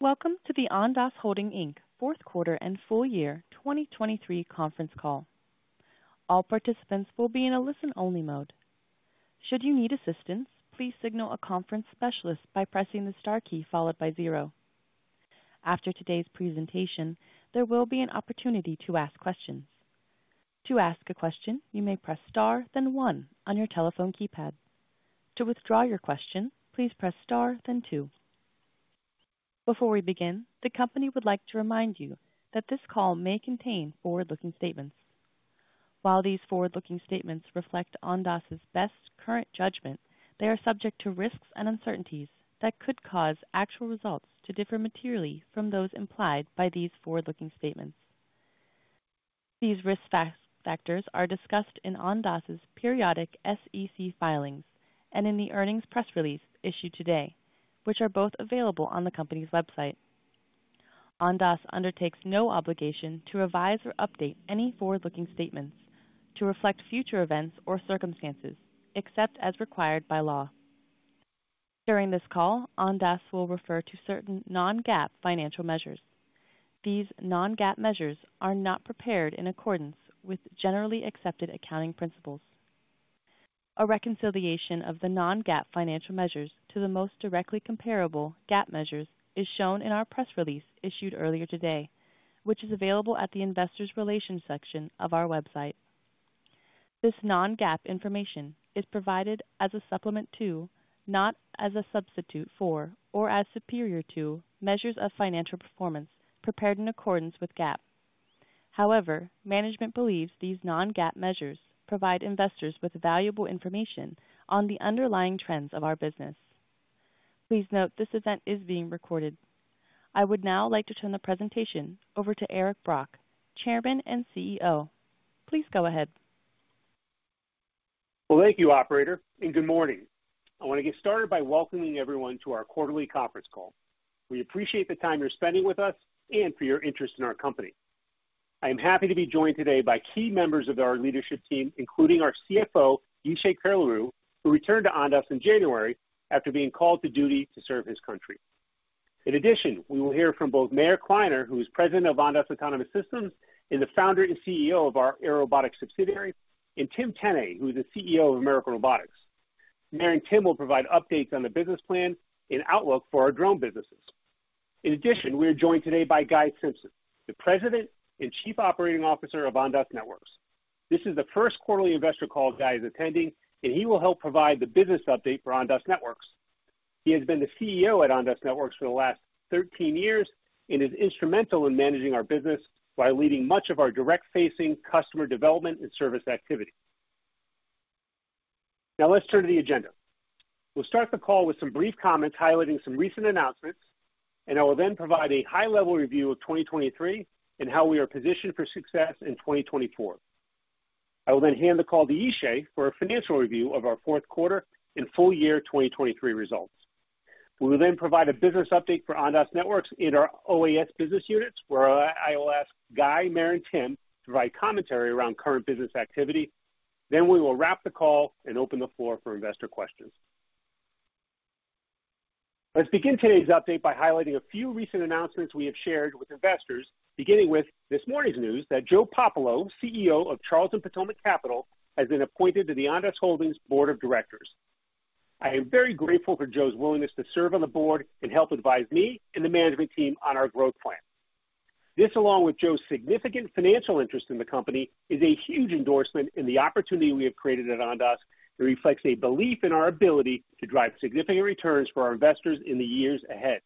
Welcome to the Ondas Holdings, Inc Fourth Quarter and Full Year 2023 Conference Call. All participants will be in a listen-only mode. Should you need assistance, please signal a conference specialist by pressing the star key followed by zero. After today's presentation, there will be an opportunity to ask questions. To ask a question, you may press star then one on your telephone keypad. To withdraw your question, please press star then two. Before we begin, the company would like to remind you that this call may contain forward-looking statements. While these forward-looking statements reflect Ondas Holdings's best current judgment, they are subject to risks and uncertainties that could cause actual results to differ materially from those implied by these forward-looking statements. These risk factors are discussed in Ondas Holdings's periodic SEC filings and in the earnings press release issued today, which are both available on the company's website. Ondas undertakes no obligation to revise or update any forward-looking statements to reflect future events or circumstances, except as required by law. During this call, Ondas will refer to certain non-GAAP financial measures. These non-GAAP measures are not prepared in accordance with generally accepted accounting principles. A reconciliation of the non-GAAP financial measures to the most directly comparable GAAP measures is shown in our press release issued earlier today, which is available at the investors' relations section of our website. This non-GAAP information is provided as a supplement to, not as a substitute for, or as superior to measures of financial performance prepared in accordance with GAAP. However, management believes these non-GAAP measures provide investors with valuable information on the underlying trends of our business. Please note this event is being recorded. I would now like to turn the presentation over to Eric Brock, Chairman and CEO. Please go ahead. Well, thank you, operator, and good morning. I want to get started by welcoming everyone to our quarterly conference call. We appreciate the time you're spending with us and for your interest in our company. I am happy to be joined today by key members of our leadership team, including our CFO, Yishay Curelaru, who returned to Ondas in January after being called to duty to serve his country. In addition, we will hear from both Meir Kliner, who is president of Ondas Autonomous Systems and the founder and CEO of our Airobotics subsidiary, and Tim Tenne, who is the CEO of American Robotics. Meir and Tim will provide updates on the business plan and outlook for our drone businesses. In addition, we are joined today by Guy Simpson, the president and chief operating officer of Ondas Networks. This is the first quarterly investor call Guy is attending, and he will help provide the business update for Ondas Networks. He has been the CEO at Ondas Networks for the last 13 years and is instrumental in managing our business by leading much of our direct-facing customer development and service activity. Now let's turn to the agenda. We'll start the call with some brief comments highlighting some recent announcements, and I will then provide a high-level review of 2023 and how we are positioned for success in 2024. I will then hand the call to Yishay for a financial review of our fourth quarter and full year 2023 results. We will then provide a business update for Ondas Networks and our OAS business units, where I will ask Guy, Meir, and Tim to provide commentary around current business activity. Then we will wrap the call and open the floor for investor questions. Let's begin today's update by highlighting a few recent announcements we have shared with investors, beginning with this morning's news that Joe Popolo, CEO of Charles & Potomac Capital, has been appointed to the Ondas Holdings board of directors. I am very grateful for Joe's willingness to serve on the board and help advise me and the management team on our growth plan. This, along with Joe's significant financial interest in the company, is a huge endorsement in the opportunity we have created at Ondas and reflects a belief in our ability to drive significant returns for our investors in the years ahead.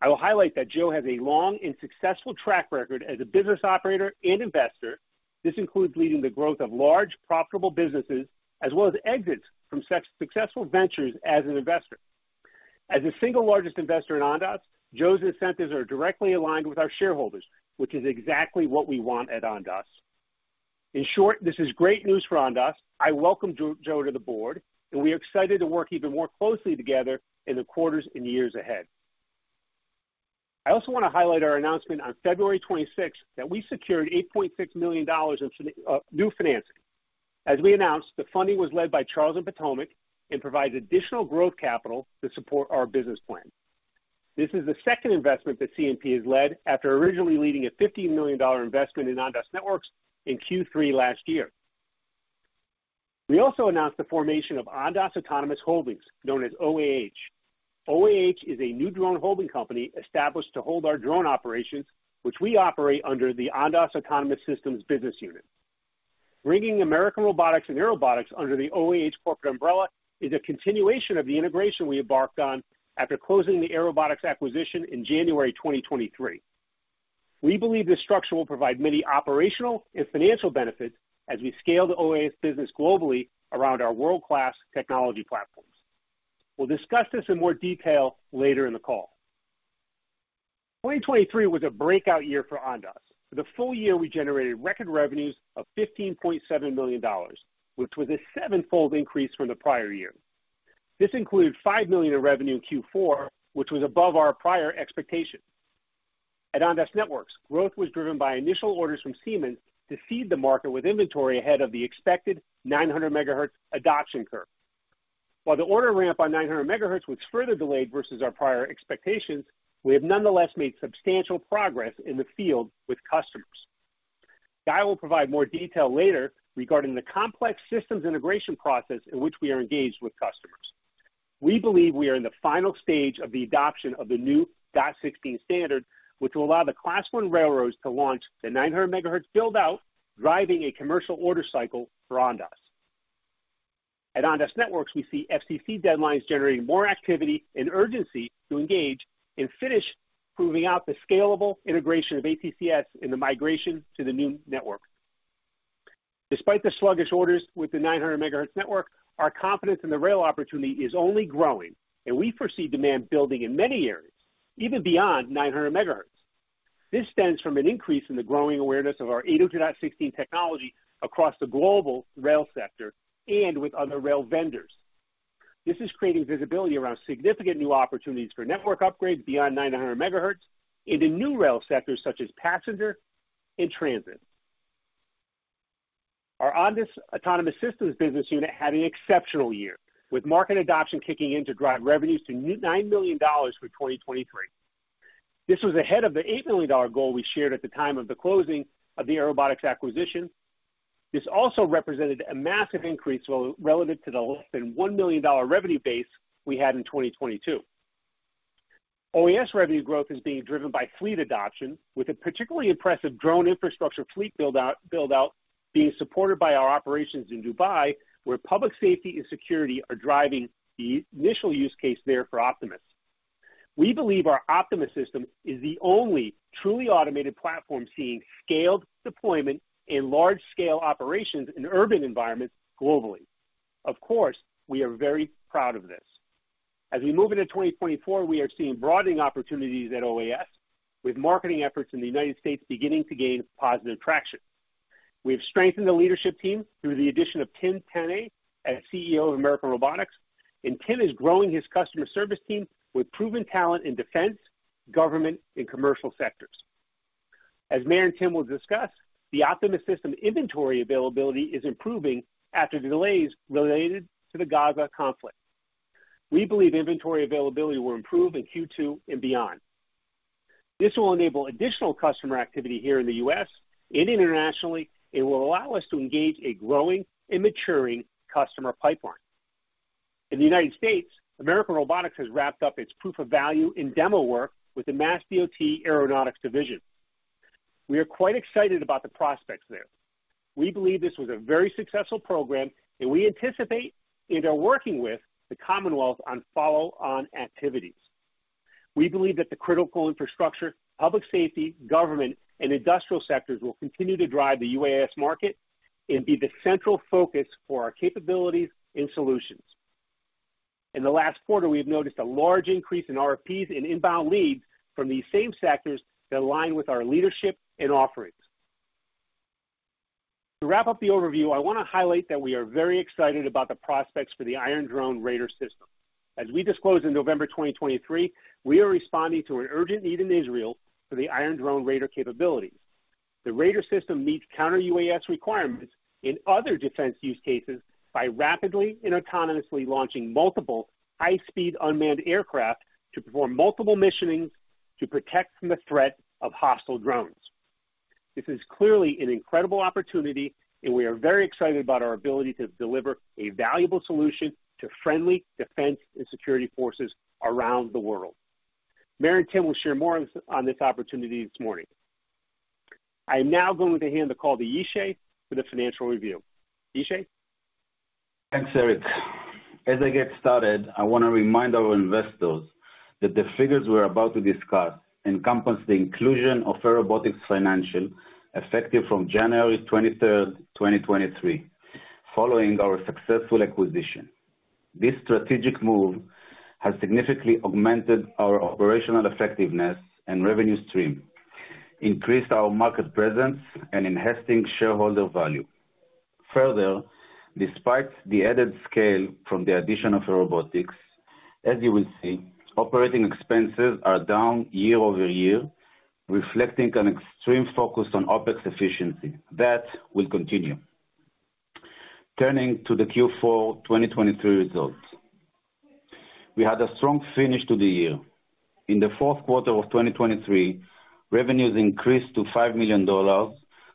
I will highlight that Joe has a long and successful track record as a business operator and investor. This includes leading the growth of large, profitable businesses as well as exits from successful ventures as an investor. As the single largest investor in Ondas, Joe's incentives are directly aligned with our shareholders, which is exactly what we want at Ondas. In short, this is great news for Ondas. I welcome Joe to the board, and we are excited to work even more closely together in the quarters and years ahead. I also want to highlight our announcement on February 26th that we secured $8.6 million in new financing. As we announced, the funding was led by Charles & Potomac and provides additional growth capital to support our business plan. This is the second investment that CNP has led after originally leading a $15 million investment in Ondas Networks in Q3 last year. We also announced the formation of Ondas Autonomous Holdings, known as OAH. OAH is a new drone holding company established to hold our drone operations, which we operate under the Ondas Autonomous Systems business unit. Bringing American Robotics and Airobotics under the OAH corporate umbrella is a continuation of the integration we embarked on after closing the Airobotics acquisition in January 2023. We believe this structure will provide many operational and financial benefits as we scale the OAS business globally around our world-class technology platforms. We'll discuss this in more detail later in the call. 2023 was a breakout year for Ondas. For the full year, we generated record revenues of $15.7 million, which was a seven-fold increase from the prior year. This included $5 million in revenue in Q4, which was above our prior expectations. At Ondas Networks, growth was driven by initial orders from Siemens to seed the market with inventory ahead of the expected 900 MHz adoption curve. While the order ramp on 900 MHz was further delayed versus our prior expectations, we have nonetheless made substantial progress in the field with customers. Guy will provide more detail later regarding the complex systems integration process in which we are engaged with customers. We believe we are in the final stage of the adoption of the new dot16 standard, which will allow the Class 1 railroads to launch the 900 MHz build-out, driving a commercial order cycle for Ondas. At Ondas Networks, we see FCC deadlines generating more activity and urgency to engage and finish proving out the scalable integration of ATCS in the migration to the new network. Despite the sluggish orders with the 900 MHz network, our confidence in the rail opportunity is only growing, and we foresee demand building in many areas, even beyond 900 MHz. This stems from an increase in the growing awareness of our 802.16 technology across the global rail sector and with other rail vendors. This is creating visibility around significant new opportunities for network upgrades beyond 900 MHz in the new rail sectors such as passenger and transit. Our Ondas Autonomous Systems business unit had an exceptional year, with market adoption kicking in to drive revenues to $9 million for 2023. This was ahead of the $8 million goal we shared at the time of the closing of the Airobotics acquisition. This also represented a massive increase relative to the less than $1 million revenue base we had in 2022. OAS revenue growth is being driven by fleet adoption, with a particularly impressive drone infrastructure fleet build-out being supported by our operations in Dubai, where public safety and security are driving the initial use case there for Optimus. We believe our Optimus System is the only truly automated platform seeing scaled deployment and large-scale operations in urban environments globally. Of course, we are very proud of this. As we move into 2024, we are seeing broadening opportunities at OAS, with marketing efforts in the United States beginning to gain positive traction. We have strengthened the leadership team through the addition of Tim Tenne, CEO of American Robotics, and Tim is growing his customer service team with proven talent in defense, government, and commercial sectors. As Meir and Tim will discuss, the Optimus System inventory availability is improving after the delays related to the Gaza conflict. We believe inventory availability will improve in Q2 and beyond. This will enable additional customer activity here in the U.S. and internationally, and will allow us to engage a growing and maturing customer pipeline. In the United States, American Robotics has wrapped up its proof of value in demo work with the MassDOT Aeronautics Division. We are quite excited about the prospects there. We believe this was a very successful program, and we anticipate and are working with the Commonwealth on follow-on activities. We believe that the critical infrastructure, public safety, government, and industrial sectors will continue to drive the UAS market and be the central focus for our capabilities and solutions. In the last quarter, we have noticed a large increase in RFPs and inbound leads from these same sectors that align with our leadership and offerings. To wrap up the overview, I want to highlight that we are very excited about the prospects for the Iron Drone Raider system. As we disclosed in November 2023, we are responding to an urgent need in Israel for the Iron Drone Raider capabilities. The Raider system meets counter-UAS requirements in other defense use cases by rapidly and autonomously launching multiple high-speed unmanned aircraft to perform multiple missions to protect from the threat of hostile drones. This is clearly an incredible opportunity, and we are very excited about our ability to deliver a valuable solution to friendly defense and security forces around the world. Meir and Tim will share more on this opportunity this morning. I am now going to hand the call to Yishay for the financial review. Yishay? Thanks, Eric. As I get started, I want to remind our investors that the figures we are about to discuss encompass the inclusion of Airobotics financials effective from January 23rd, 2023, following our successful acquisition. This strategic move has significantly augmented our operational effectiveness and revenue stream, increased our market presence, and enhanced shareholder value. Further, despite the added scale from the addition of Airobotics, as you will see, operating expenses are down year-over-year, reflecting an extreme focus on OPEX efficiency. That will continue. Turning to the Q4 2023 results. We had a strong finish to the year. In the fourth quarter of 2023, revenues increased to $5 million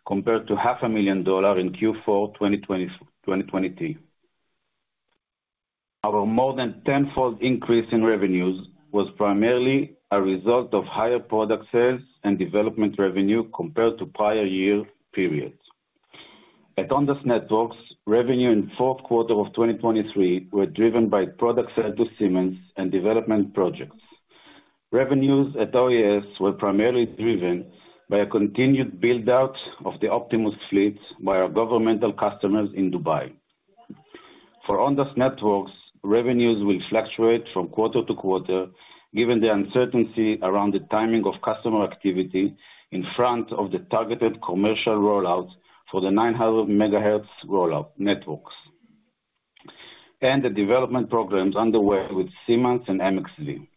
compared to $500,000 in Q4 2023. Our more than tenfold increase in revenues was primarily a result of higher product sales and development revenue compared to prior year periods. At Ondas Networks, revenue in the fourth quarter of 2023 was driven by product sales to Siemens and development projects. Revenues at OAS were primarily driven by a continued build-out of the Optimus fleet by our governmental customers in Dubai. For Ondas Networks, revenues will fluctuate from quarter to quarter given the uncertainty around the timing of customer activity in front of the targeted commercial rollout for the 900 MHz networks and the development programs underway with Siemens and MXV.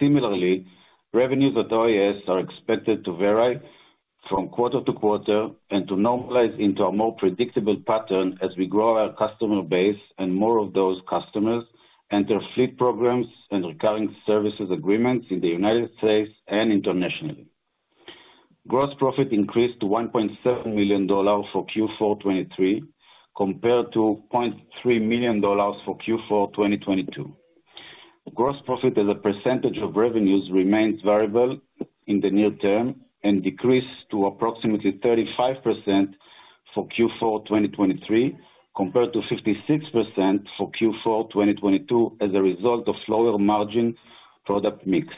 Similarly, revenues at OAS are expected to vary from quarter to quarter and to normalize into a more predictable pattern as we grow our customer base and more of those customers enter fleet programs and recurring services agreements in the United States and internationally. Gross profit increased to $1.7 million for Q4 2023 compared to $0.3 million for Q4 2022. Gross profit as a percentage of revenues remains variable in the near term and decreased to approximately 35% for Q4 2023 compared to 56% for Q4 2022 as a result of lower margin product mix.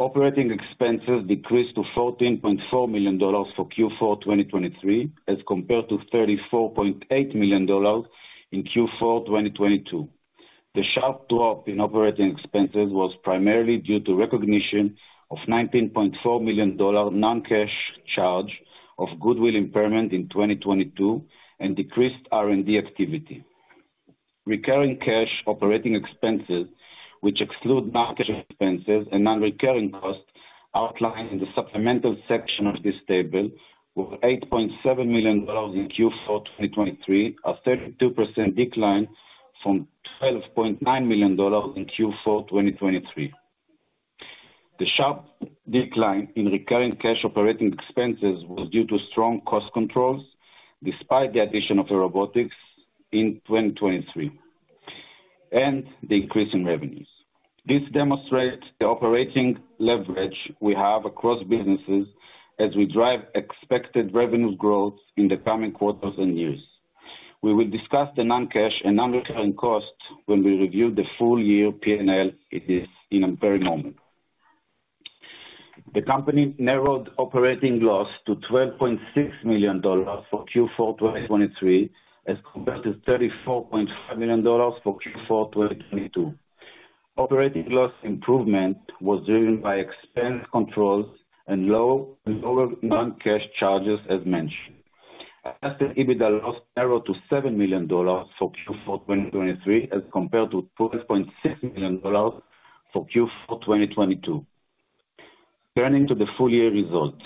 Operating expenses decreased to $14.4 million for Q4 2023 as compared to $34.8 million in Q4 2022. The sharp drop in operating expenses was primarily due to recognition of a $19.4 million non-cash charge of goodwill impairment in 2022 and decreased R&D activity. Recurring cash operating expenses, which exclude non-cash expenses and non-recurring costs outlined in the supplemental section of this table, were $8.7 million in Q4 2023, a 32% decline from $12.9 million in Q4 2022. The sharp decline in recurring cash operating expenses was due to strong cost controls despite the addition of Airobotics in 2023 and the increase in revenues. This demonstrates the operating leverage we have across businesses as we drive expected revenue growth in the coming quarters and years. We will discuss the non-cash and non-recurring costs when we review the full-year P&L in a very moment. The company narrowed operating loss to $12.6 million for Q4 2023 as compared to $34.5 million for Q4 2022. Operating loss improvement was driven by expense controls and lower non-cash charges, as mentioned. Adjusted EBITDA loss narrowed to $7 million for Q4 2023 as compared to $12.6 million for Q4 2022. Turning to the full-year results.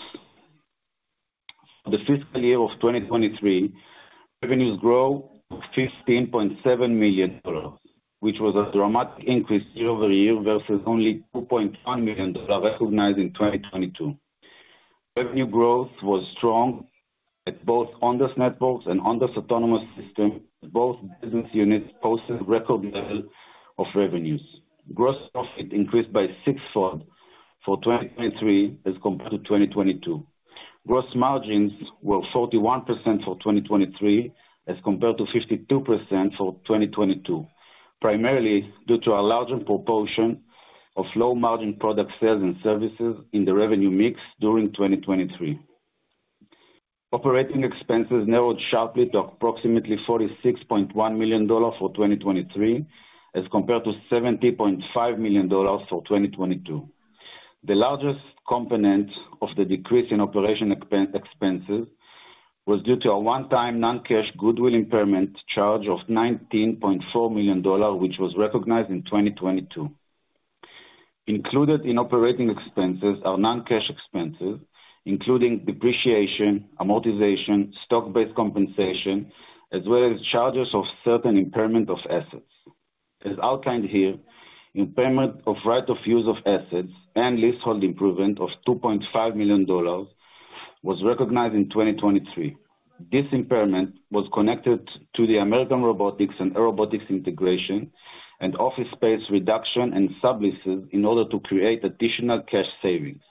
For the fiscal year of 2023, revenues grew to $15.7 million, which was a dramatic increase year-over-year versus only $2.1 million recognized in 2022. Revenue growth was strong at both Ondas Networks and Ondas Autonomous Systems. Both business units posted record levels of revenues. Gross profit increased by six-fold for 2023 as compared to 2022. Gross margins were 41% for 2023 as compared to 52% for 2022, primarily due to a larger proportion of low-margin product sales and services in the revenue mix during 2023. Operating expenses narrowed sharply to approximately $46.1 million for 2023 as compared to $70.5 million for 2022. The largest component of the decrease in operating expenses was due to a one-time non-cash goodwill impairment charge of $19.4 million, which was recognized in 2022. Included in operating expenses are non-cash expenses, including depreciation, amortization, stock-based compensation, as well as charges of certain impairment of assets. As outlined here, impairment of right-of-use assets and leasehold improvement of $2.5 million was recognized in 2023. This impairment was connected to the American Robotics and Airobotics integration and office space reduction and subleases in order to create additional cash savings.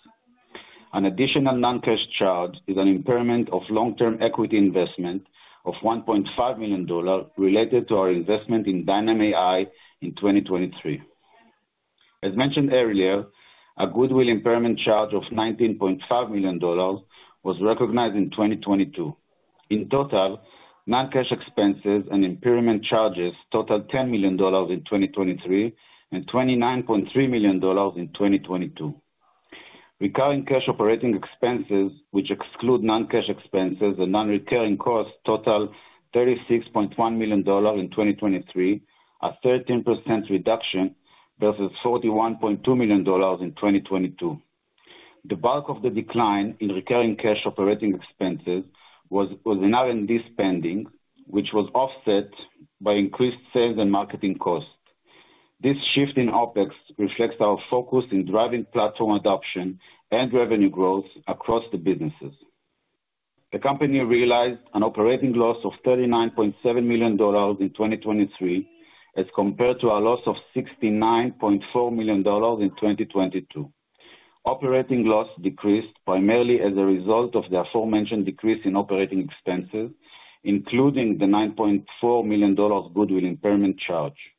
An additional non-cash charge is an impairment of long-term equity investment of $1.5 million related to our investment in Dynam.AI in 2023. As mentioned earlier, a goodwill impairment charge of $19.5 million was recognized in 2022. In total, non-cash expenses and impairment charges totaled $10 million in 2023 and $29.3 million in 2022. Recurring cash operating expenses, which exclude non-cash expenses and non-recurring costs, totaled $36.1 million in 2023, a 13% reduction versus $41.2 million in 2022. The bulk of the decline in recurring cash operating expenses was in R&D spending, which was offset by increased sales and marketing costs. This shift in OPEX reflects our focus in driving platform adoption and revenue growth across the businesses. The company realized an operating loss of $39.7 million in 2023 as compared to a loss of $69.4 million in 2022. Operating loss decreased primarily as a result of the aforementioned decrease in operating expenses, including the $9.4 million goodwill impairment charge.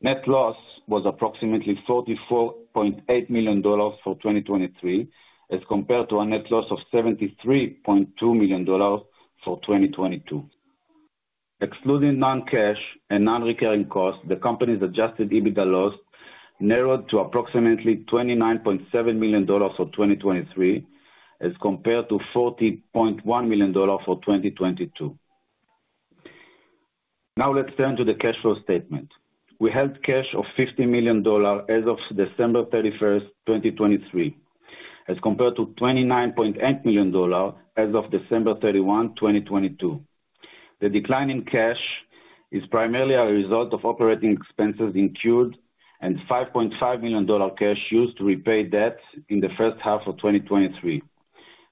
Net loss was approximately $44.8 million for 2023 as compared to a net loss of $73.2 million for 2022. Excluding non-cash and non-recurring costs, the company's adjusted EBITDA loss narrowed to approximately $29.7 million for 2023 as compared to $40.1 million for 2022. Now, let's turn to the cash flow statement. We held cash of $50 million as of December 31st, 2023, as compared to $29.8 million as of December 31st, 2022. The decline in cash is primarily a result of operating expenses incurred and $5.5 million cash used to repay debts in the first half of 2023.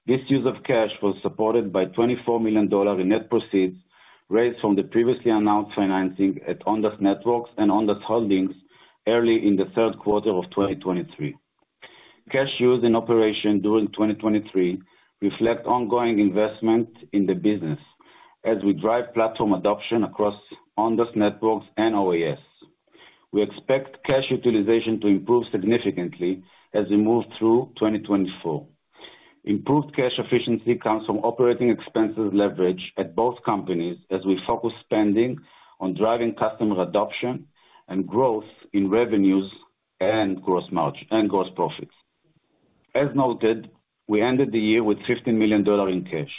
This use of cash was supported by $24 million in net proceeds raised from the previously announced financing at Ondas Networks and Ondas Holdings early in the third quarter of 2023. Cash used in operation during 2023 reflects ongoing investment in the business as we drive platform adoption across Ondas Networks and OAS. We expect cash utilization to improve significantly as we move through 2024. Improved cash efficiency comes from operating expenses leverage at both companies as we focus spending on driving customer adoption and growth in revenues and gross profits. As noted, we ended the year with $15 million in cash.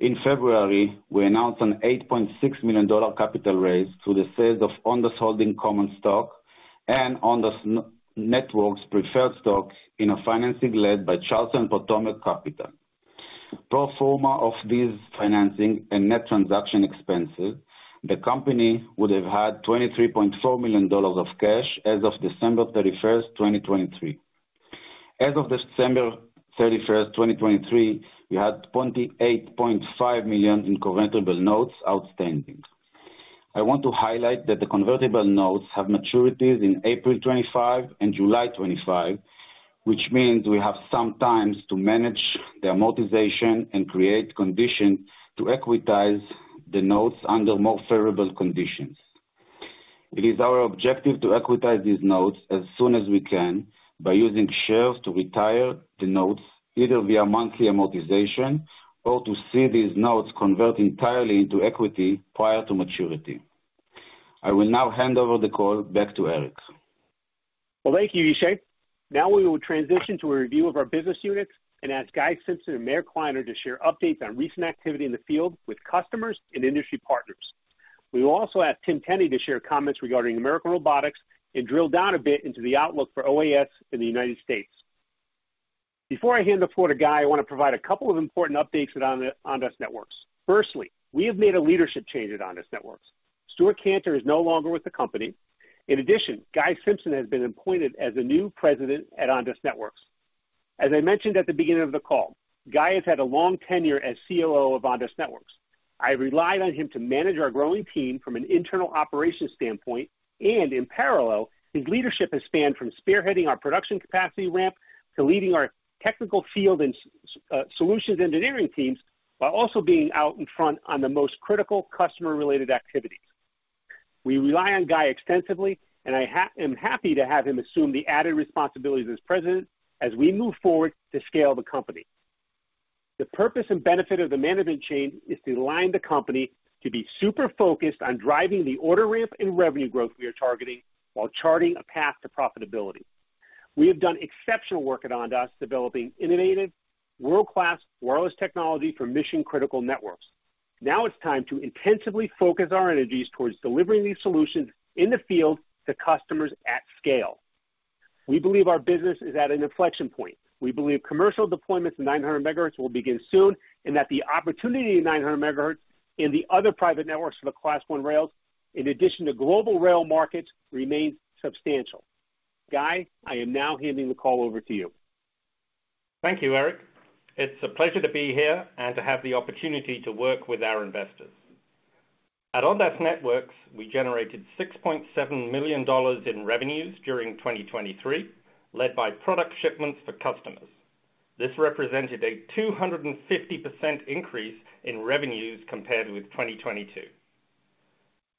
In February, we announced an $8.6 million capital raise through the sales of Ondas Holdings common stock and Ondas Networks preferred stock in a financing led by Charles & Potomac Capital. Pro forma of this financing and net transaction expenses, the company would have had $23.4 million of cash as of December 31st, 2023. As of December 31st, 2023, we had $28.5 million in convertible notes outstanding. I want to highlight that the convertible notes have maturities in April 2025 and July 2025, which means we have some time to manage the amortization and create conditions to equitize the notes under more favorable conditions. It is our objective to equitize these notes as soon as we can by using shares to retire the notes either via monthly amortization or to see these notes convert entirely into equity prior to maturity. I will now hand over the call back to Eric. Well, thank you, Yishay. Now we will transition to a review of our business units and ask Guy Simpson and Meir Kliner to share updates on recent activity in the field with customers and industry partners. We will also ask Tim Tenne to share comments regarding American Robotics and drill down a bit into the outlook for OAS in the United States. Before I hand the floor to Guy, I want to provide a couple of important updates at Ondas Networks. Firstly, we have made a leadership change at Ondas Networks. Stewart Kantor is no longer with the company. In addition, Guy Simpson has been appointed as a new president at Ondas Networks. As I mentioned at the beginning of the call, Guy has had a long tenure as COO of Ondas Networks. I relied on him to manage our growing team from an internal operations standpoint, and in parallel, his leadership has spanned from spearheading our production capacity ramp to leading our technical field and solutions engineering teams while also being out in front on the most critical customer-related activities. We rely on Guy extensively, and I am happy to have him assume the added responsibilities as president as we move forward to scale the company. The purpose and benefit of the management change is to align the company to be super focused on driving the order ramp and revenue growth we are targeting while charting a path to profitability. We have done exceptional work at Ondas developing innovative, world-class wireless technology for mission-critical networks. Now it's time to intensively focus our energies towards delivering these solutions in the field to customers at scale. We believe our business is at an inflection point. We believe commercial deployments of 900 MHz will begin soon and that the opportunity in 900 MHz in the other private networks for the Class 1 rails, in addition to global rail markets, remains substantial. Guy, I am now handing the call over to you. Thank you, Eric. It's a pleasure to be here and to have the opportunity to work with our investors. At Ondas Networks, we generated $6.7 million in revenues during 2023 led by product shipments for customers. This represented a 250% increase in revenues compared with 2022.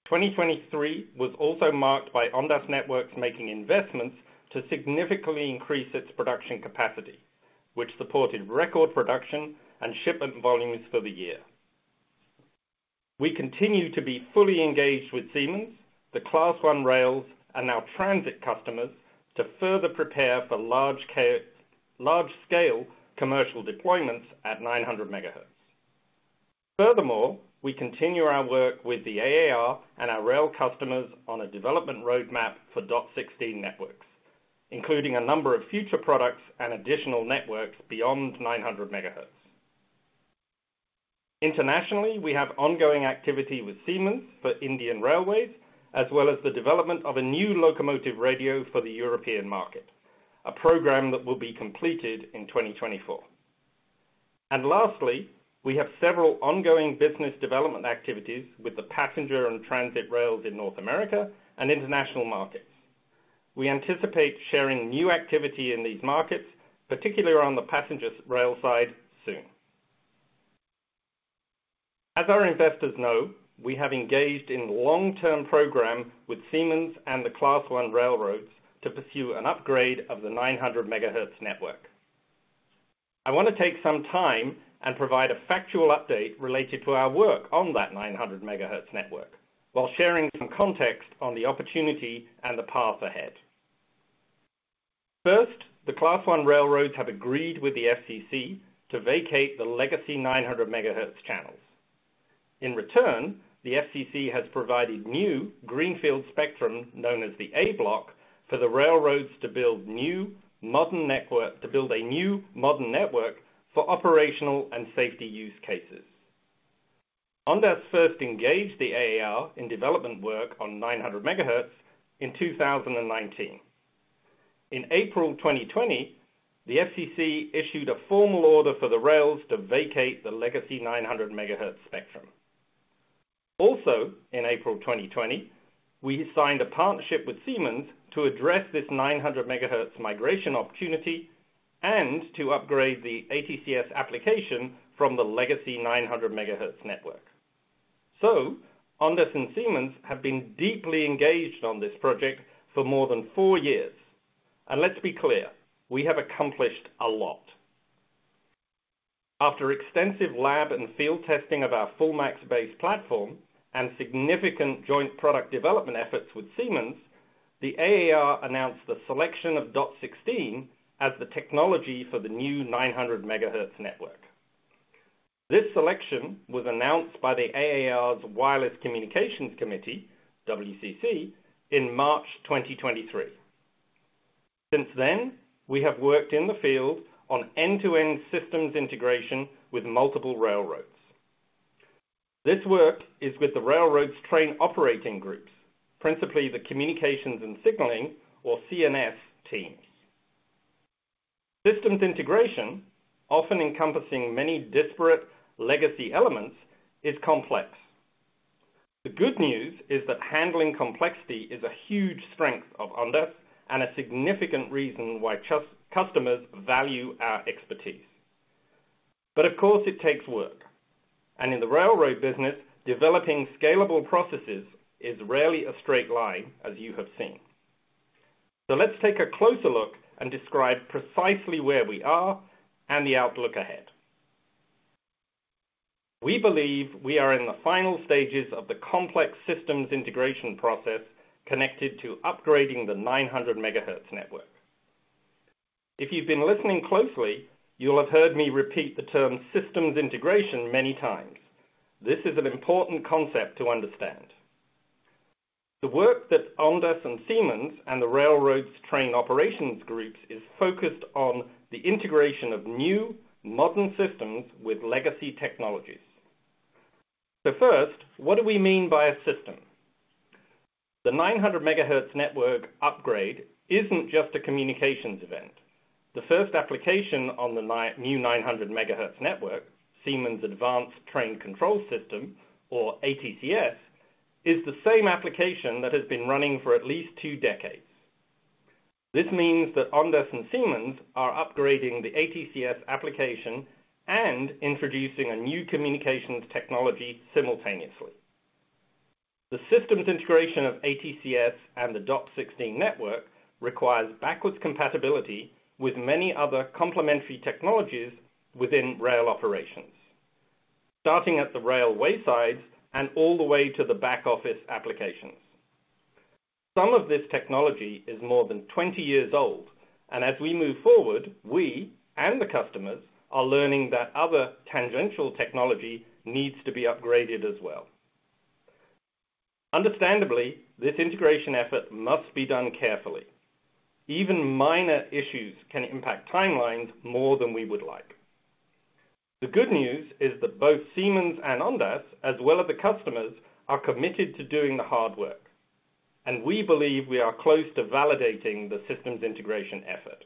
2023 was also marked by Ondas Networks making investments to significantly increase its production capacity, which supported record production and shipment volumes for the year. We continue to be fully engaged with Siemens, the Class 1 railroads, and our transit customers to further prepare for large-scale commercial deployments at 900 MHz. Furthermore, we continue our work with the AAR and our rail customers on a development roadmap for dot16 networks, including a number of future products and additional networks beyond 900 MHz. Internationally, we have ongoing activity with Siemens for Indian Railways as well as the development of a new locomotive radio for the European market, a program that will be completed in 2024. And lastly, we have several ongoing business development activities with the passenger and transit rails in North America and international markets. We anticipate sharing new activity in these markets, particularly around the passenger rail side, soon. As our investors know, we have engaged in long-term programs with Siemens and the Class 1 Railroads to pursue an upgrade of the 900 MHz network. I want to take some time and provide a factual update related to our work on that 900 MHz network while sharing some context on the opportunity and the path ahead. First, the Class 1 Railroads have agreed with the FCC to vacate the legacy 900 MHz channels. In return, the FCC has provided new greenfield spectrum known as the A block for the railroads to build a new modern network for operational and safety use cases. Ondas first engaged the AAR in development work on 900 MHz in 2019. In April 2020, the FCC issued a formal order for the rails to vacate the legacy 900 MHz spectrum. Also, in April 2020, we signed a partnership with Siemens to address this 900 MHz migration opportunity and to upgrade the ATCS application from the legacy 900 MHz network. Ondas and Siemens have been deeply engaged on this project for more than four years. Let's be clear, we have accomplished a lot. After extensive lab and field testing of our FullMAX-based platform and significant joint product development efforts with Siemens, the AAR announced the selection of dot16 as the technology for the new 900 MHz network. This selection was announced by the AAR's Wireless Communications Committee, WCC, in March 2023. Since then, we have worked in the field on end-to-end systems integration with multiple railroads. This work is with the railroads' train operating groups, principally the communications and signaling, or C&S, teams. Systems integration, often encompassing many disparate legacy elements, is complex. The good news is that handling complexity is a huge strength of Ondas and a significant reason why customers value our expertise. But of course, it takes work. In the railroad business, developing scalable processes is rarely a straight line, as you have seen. Let's take a closer look and describe precisely where we are and the outlook ahead. We believe we are in the final stages of the complex systems integration process connected to upgrading the 900 MHz network. If you've been listening closely, you'll have heard me repeat the term systems integration many times. This is an important concept to understand. The work that's Ondas and Siemens and the railroads' train operations groups is focused on the integration of new, modern systems with legacy technologies. So first, what do we mean by a system? The 900 MHz network upgrade isn't just a communications event. The first application on the new 900 MHz network, Siemens Advanced Train Control System, or ATCS, is the same application that has been running for at least two decades. This means that Ondas and Siemens are upgrading the ATCS application and introducing a new communications technology simultaneously. The systems integration of ATCS and the dot16 network requires backwards compatibility with many other complementary technologies within rail operations, starting at the railway sides and all the way to the back office applications. Some of this technology is more than 20 years old, and as we move forward, we and the customers are learning that other tangential technology needs to be upgraded as well. Understandably, this integration effort must be done carefully. Even minor issues can impact timelines more than we would like. The good news is that both Siemens and Ondas, as well as the customers, are committed to doing the hard work. We believe we are close to validating the systems integration effort.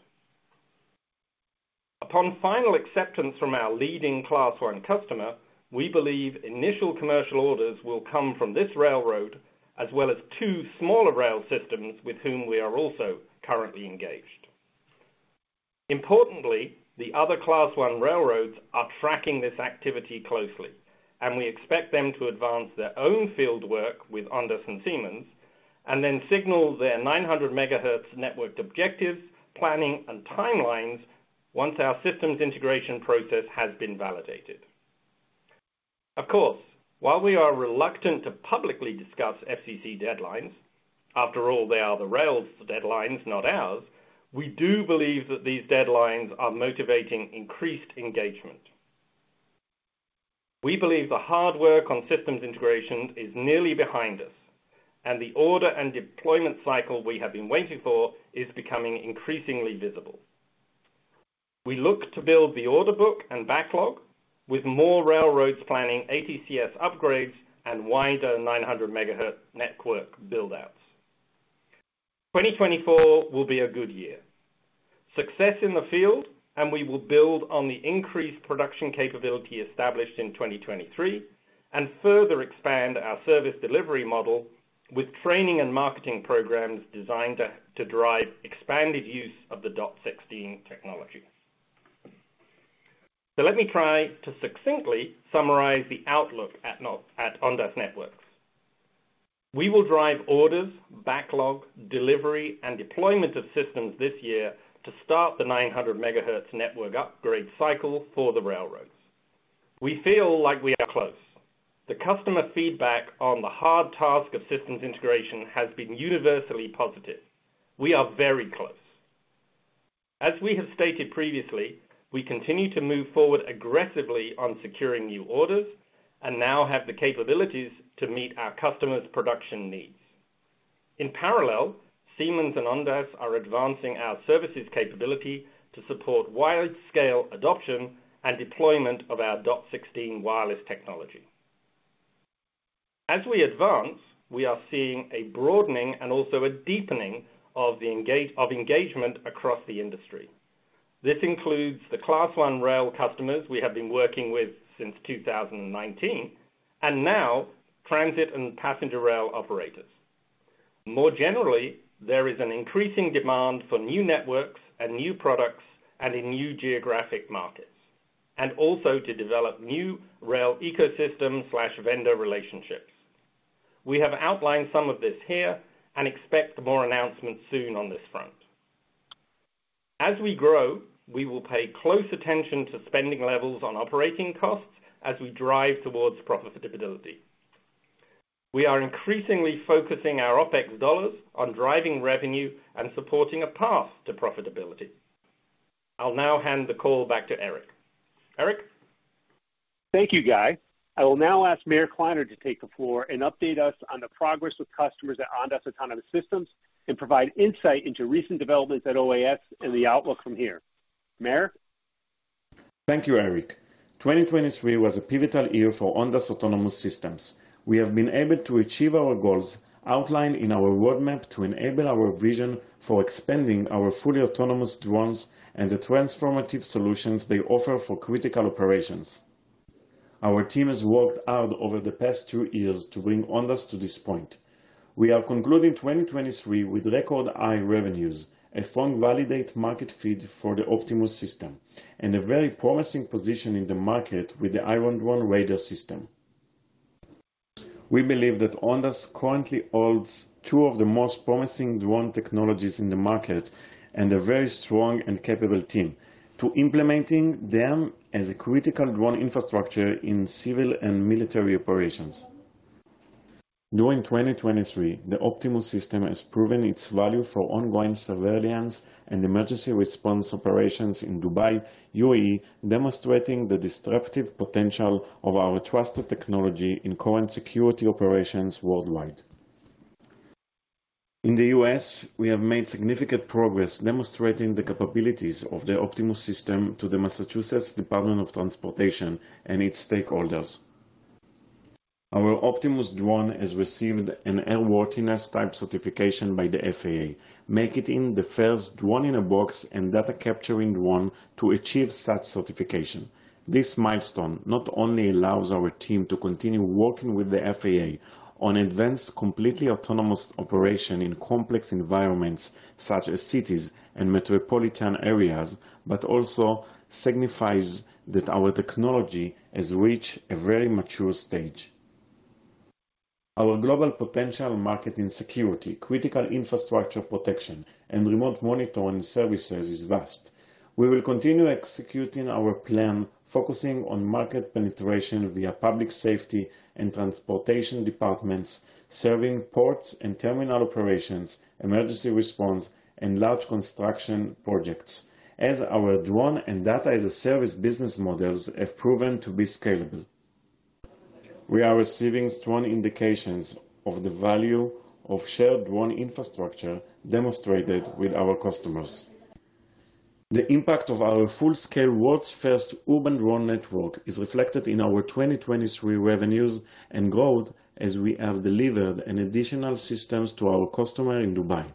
Upon final acceptance from our leading Class 1 customer, we believe initial commercial orders will come from this railroad as well as two smaller rail systems with whom we are also currently engaged. Importantly, the other Class 1 Railroads are tracking this activity closely, and we expect them to advance their own field work with Ondas and Siemens and then signal their 900 MHz networked objectives, planning, and timelines once our systems integration process has been validated. Of course, while we are reluctant to publicly discuss FCC deadlines - after all, they are the rails' deadlines, not ours - we do believe that these deadlines are motivating increased engagement. We believe the hard work on systems integrations is nearly behind us, and the order and deployment cycle we have been waiting for is becoming increasingly visible. We look to build the order book and backlog with more railroads planning ATCS upgrades and wider 900 MHz network buildouts. 2024 will be a good year. Success in the field, and we will build on the increased production capability established in 2023 and further expand our service delivery model with training and marketing programs designed to drive expanded use of the dot16 technology. So let me try to succinctly summarize the outlook at Ondas Networks. We will drive orders, backlog, delivery, and deployment of systems this year to start the 900 MHz network upgrade cycle for the railroads. We feel like we are close. The customer feedback on the hard task of systems integration has been universally positive. We are very close. As we have stated previously, we continue to move forward aggressively on securing new orders and now have the capabilities to meet our customers' production needs. In parallel, Siemens and Ondas are advancing our services capability to support wide-scale adoption and deployment of our dot16 wireless technology. As we advance, we are seeing a broadening and also a deepening of engagement across the industry. This includes the Class 1 rail customers we have been working with since 2019 and now transit and passenger rail operators. More generally, there is an increasing demand for new networks and new products and in new geographic markets, and also to develop new rail ecosystem/vendor relationships. We have outlined some of this here and expect more announcements soon on this front. As we grow, we will pay close attention to spending levels on operating costs as we drive towards profitability. We are increasingly focusing our OPEX dollars on driving revenue and supporting a path to profitability. I'll now hand the call back to Eric. Eric? Thank you, Guy. I will now ask Meir Kliner to take the floor and update us on the progress with customers at Ondas Autonomous Systems and provide insight into recent developments at OAS and the outlook from here. Mayor? Thank you, Eric. 2023 was a pivotal year for Ondas Autonomous Systems. We have been able to achieve our goals outlined in our roadmap to enable our vision for expanding our fully autonomous drones and the transformative solutions they offer for critical operations. Our team has worked hard over the past 2 years to bring Ondas to this point. We are concluding 2023 with record high revenues, a strong validated market need for the Optimus System, and a very promising position in the market with the Iron Drone Raider system. We believe that Ondas currently holds two of the most promising drone technologies in the market and a very strong and capable team to implementing them as a critical drone infrastructure in civil and military operations. During 2023, the Optimus System has proven its value for ongoing surveillance and emergency response operations in Dubai, UAE, demonstrating the disruptive potential of our trusted technology in current security operations worldwide. In the U.S., we have made significant progress demonstrating the capabilities of the Optimus System to the Massachusetts Department of Transportation and its stakeholders. Our Optimus drone has received an Airworthiness Type Certification by the FAA, making it the first drone in a box and data capturing drone to achieve such certification. This milestone not only allows our team to continue working with the FAA on advanced completely autonomous operation in complex environments such as cities and metropolitan areas, but also signifies that our technology has reached a very mature stage. Our global potential market in security, critical infrastructure protection, and remote monitoring services is vast. We will continue executing our plan focusing on market penetration via public safety and transportation departments, serving ports and terminal operations, emergency response, and large construction projects, as our drone and data as a service business models have proven to be scalable. We are receiving strong indications of the value of shared drone infrastructure demonstrated with our customers. The impact of our full-scale world's first urban drone network is reflected in our 2023 revenues and growth as we have delivered an additional system to our customer in Dubai.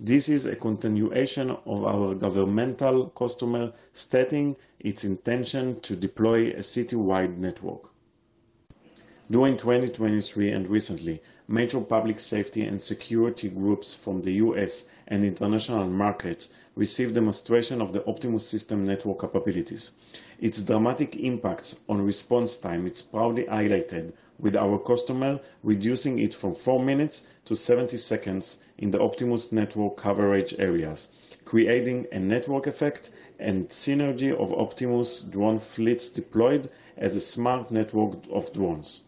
This is a continuation of our governmental customer stating its intention to deploy a city-wide network. During 2023 and recently, major public safety and security groups from the U.S. and international markets received demonstration of the Optimus System network capabilities. Its dramatic impacts on response time are proudly highlighted with our customer reducing it from 4 minutes to 70 seconds in the Optimus network coverage areas, creating a network effect and synergy of Optimus drone fleets deployed as a smart network of drones.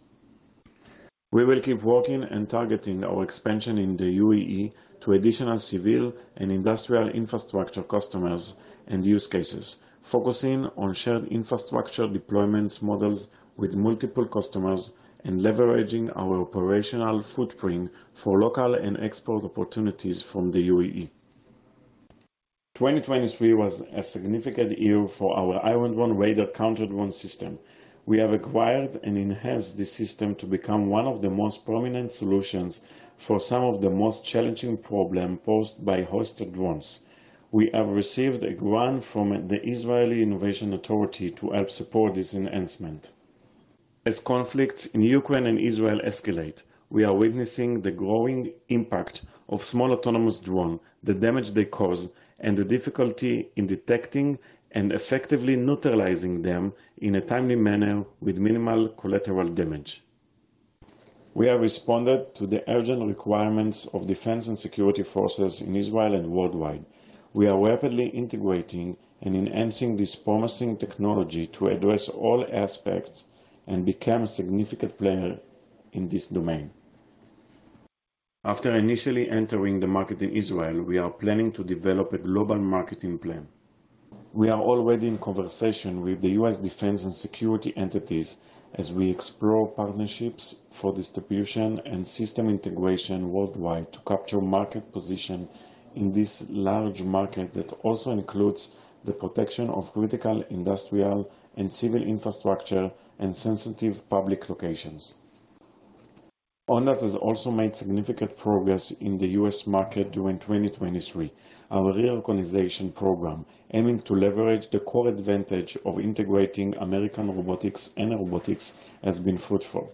We will keep working and targeting our expansion in the UAE to additional civil and industrial infrastructure customers and use cases, focusing on shared infrastructure deployments models with multiple customers and leveraging our operational footprint for local and export opportunities from the UAE. 2023 was a significant year for our Iron Drone Raider counter-drone system. We have acquired and enhanced this system to become one of the most prominent solutions for some of the most challenging problems posed by hostile drones. We have received a grant from the Israeli Innovation Authority to help support this enhancement. As conflicts in Ukraine and Israel escalate, we are witnessing the growing impact of small autonomous drones, the damage they cause, and the difficulty in detecting and effectively neutralizing them in a timely manner with minimal collateral damage. We have responded to the urgent requirements of defense and security forces in Israel and worldwide. We are rapidly integrating and enhancing this promising technology to address all aspects and become a significant player in this domain. After initially entering the market in Israel, we are planning to develop a global marketing plan. We are already in conversation with the U.S. defense and security entities as we explore partnerships for distribution and system integration worldwide to capture market position in this large market that also includes the protection of critical industrial and civil infrastructure and sensitive public locations. Ondas has also made significant progress in the U.S. market during 2023. Our reorganization program, aiming to leverage the core advantage of integrating American Robotics and Airobotics, has been fruitful.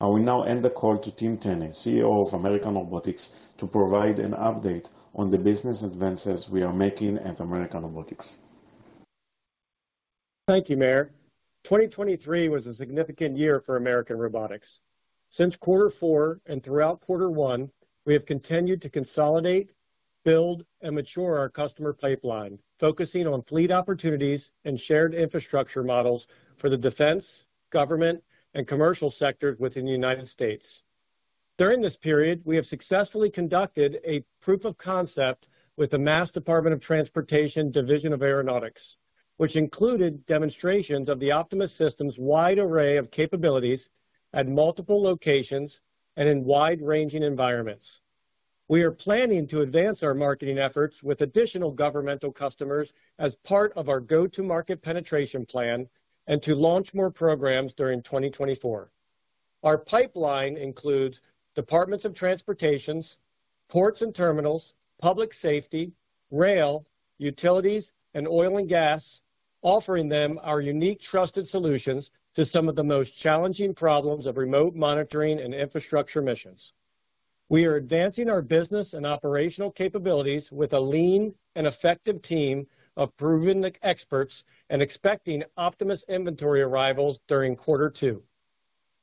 I will now end the call to Tim Tenne, CEO of American Robotics, to provide an update on the business advances we are making at American Robotics. Thank you, Mayor. 2023 was a significant year for American Robotics. Since quarter four and throughout quarter one, we have continued to consolidate, build, and mature our customer pipeline, focusing on fleet opportunities and shared infrastructure models for the defense, government, and commercial sectors within the United States. During this period, we have successfully conducted a proof of concept with the Massachusetts Department of Transportation Division of Aeronautics, which included demonstrations of the Optimus System's wide array of capabilities at multiple locations and in wide-ranging environments. We are planning to advance our marketing efforts with additional governmental customers as part of our go-to-market penetration plan and to launch more programs during 2024. Our pipeline includes departments of transportations, ports and terminals, public safety, rail, utilities, and oil and gas, offering them our unique trusted solutions to some of the most challenging problems of remote monitoring and infrastructure missions. We are advancing our business and operational capabilities with a lean and effective team of proven experts and expecting Optimus inventory arrivals during quarter two.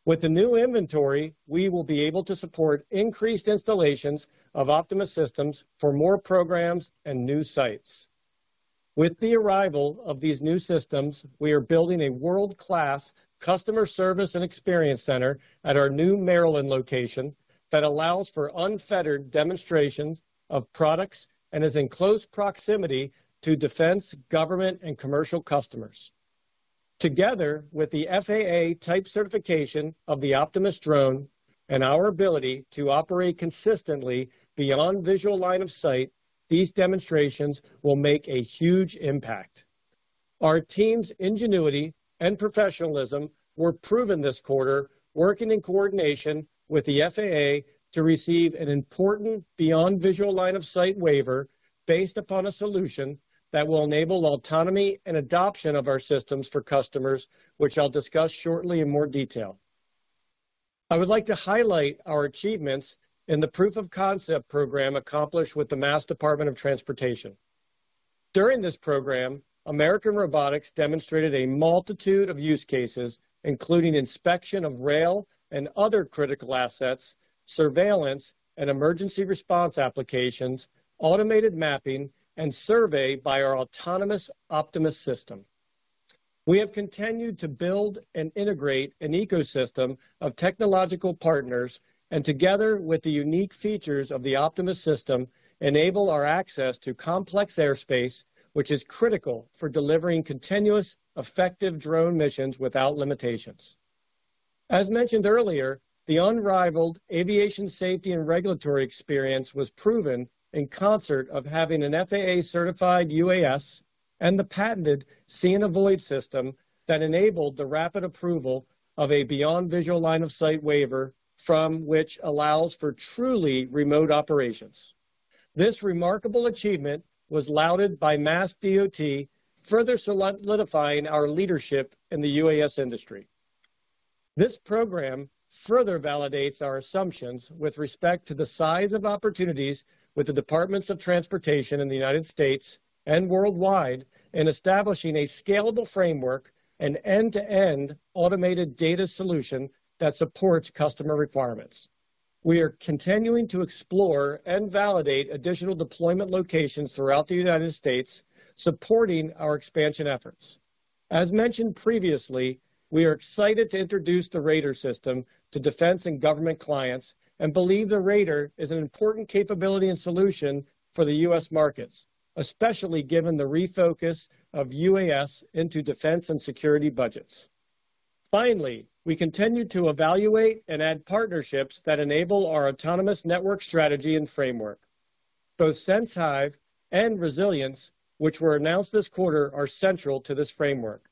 With the new inventory, we will be able to support increased installations of Optimus systems for more programs and new sites. With the arrival of these new systems, we are building a world-class customer service and experience center at our new Maryland location that allows for unfettered demonstrations of products and is in close proximity to defense, government, and commercial customers. Together with the FAA type certification of the Optimus drone and our ability to operate consistently beyond visual line of sight, these demonstrations will make a huge impact. Our team's ingenuity and professionalism were proven this quarter, working in coordination with the FAA to receive an important beyond visual line of sight waiver based upon a solution that will enable autonomy and adoption of our systems for customers, which I'll discuss shortly in more detail. I would like to highlight our achievements in the proof of concept program accomplished with the Massachusetts Department of Transportation. During this program, American Robotics demonstrated a multitude of use cases, including inspection of rail and other critical assets, surveillance and emergency response applications, automated mapping, and survey by our autonomous Optimus System. We have continued to build and integrate an ecosystem of technological partners and, together with the unique features of the Optimus System, enable our access to complex airspace, which is critical for delivering continuous, effective drone missions without limitations. As mentioned earlier, the unrivaled aviation safety and regulatory experience was proven in concert of having an FAA-certified UAS and the patented See-and-Avoid system that enabled the rapid approval of a beyond visual line of sight waiver from which allows for truly remote operations. This remarkable achievement was lauded by MassDOT, further solidifying our leadership in the UAS industry. This program further validates our assumptions with respect to the size of opportunities with the departments of transportation in the United States and worldwide in establishing a scalable framework, an end-to-end automated data solution that supports customer requirements. We are continuing to explore and validate additional deployment locations throughout the United States, supporting our expansion efforts. As mentioned previously, we are excited to introduce the Raider system to defense and government clients and believe the Raider is an important capability and solution for the U.S. markets, especially given the refocus of UAS into defense and security budgets. Finally, we continue to evaluate and add partnerships that enable our autonomous network strategy and framework. Both Senhive and ResilienX, which were announced this quarter, are central to this framework.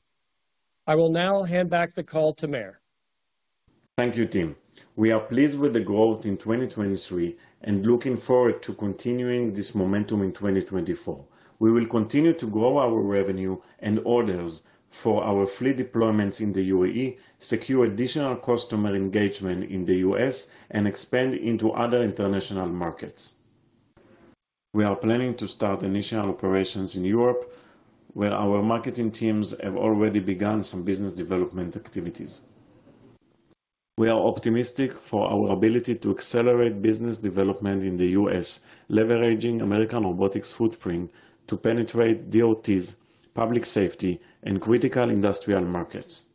I will now hand back the call to Meir. Thank you, Tim. We are pleased with the growth in 2023 and looking forward to continuing this momentum in 2024. We will continue to grow our revenue and orders for our fleet deployments in the UAE, secure additional customer engagement in the US, and expand into other international markets. We are planning to start initial operations in Europe, where our marketing teams have already begun some business development activities. We are optimistic for our ability to accelerate business development in the US, leveraging American Robotics footprint to penetrate DOTs, public safety, and critical industrial markets.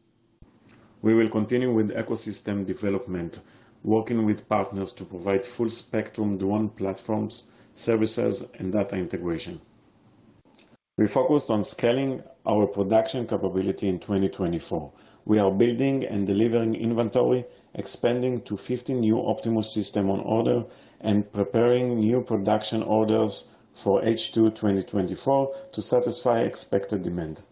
We will continue with ecosystem development, working with partners to provide full-spectrum drone platforms, services, and data integration. We focused on scaling our production capability in 2024. We are building and delivering inventory, expanding to 15 new Optimus systems on order, and preparing new production orders for H2 2024 to satisfy expected demand.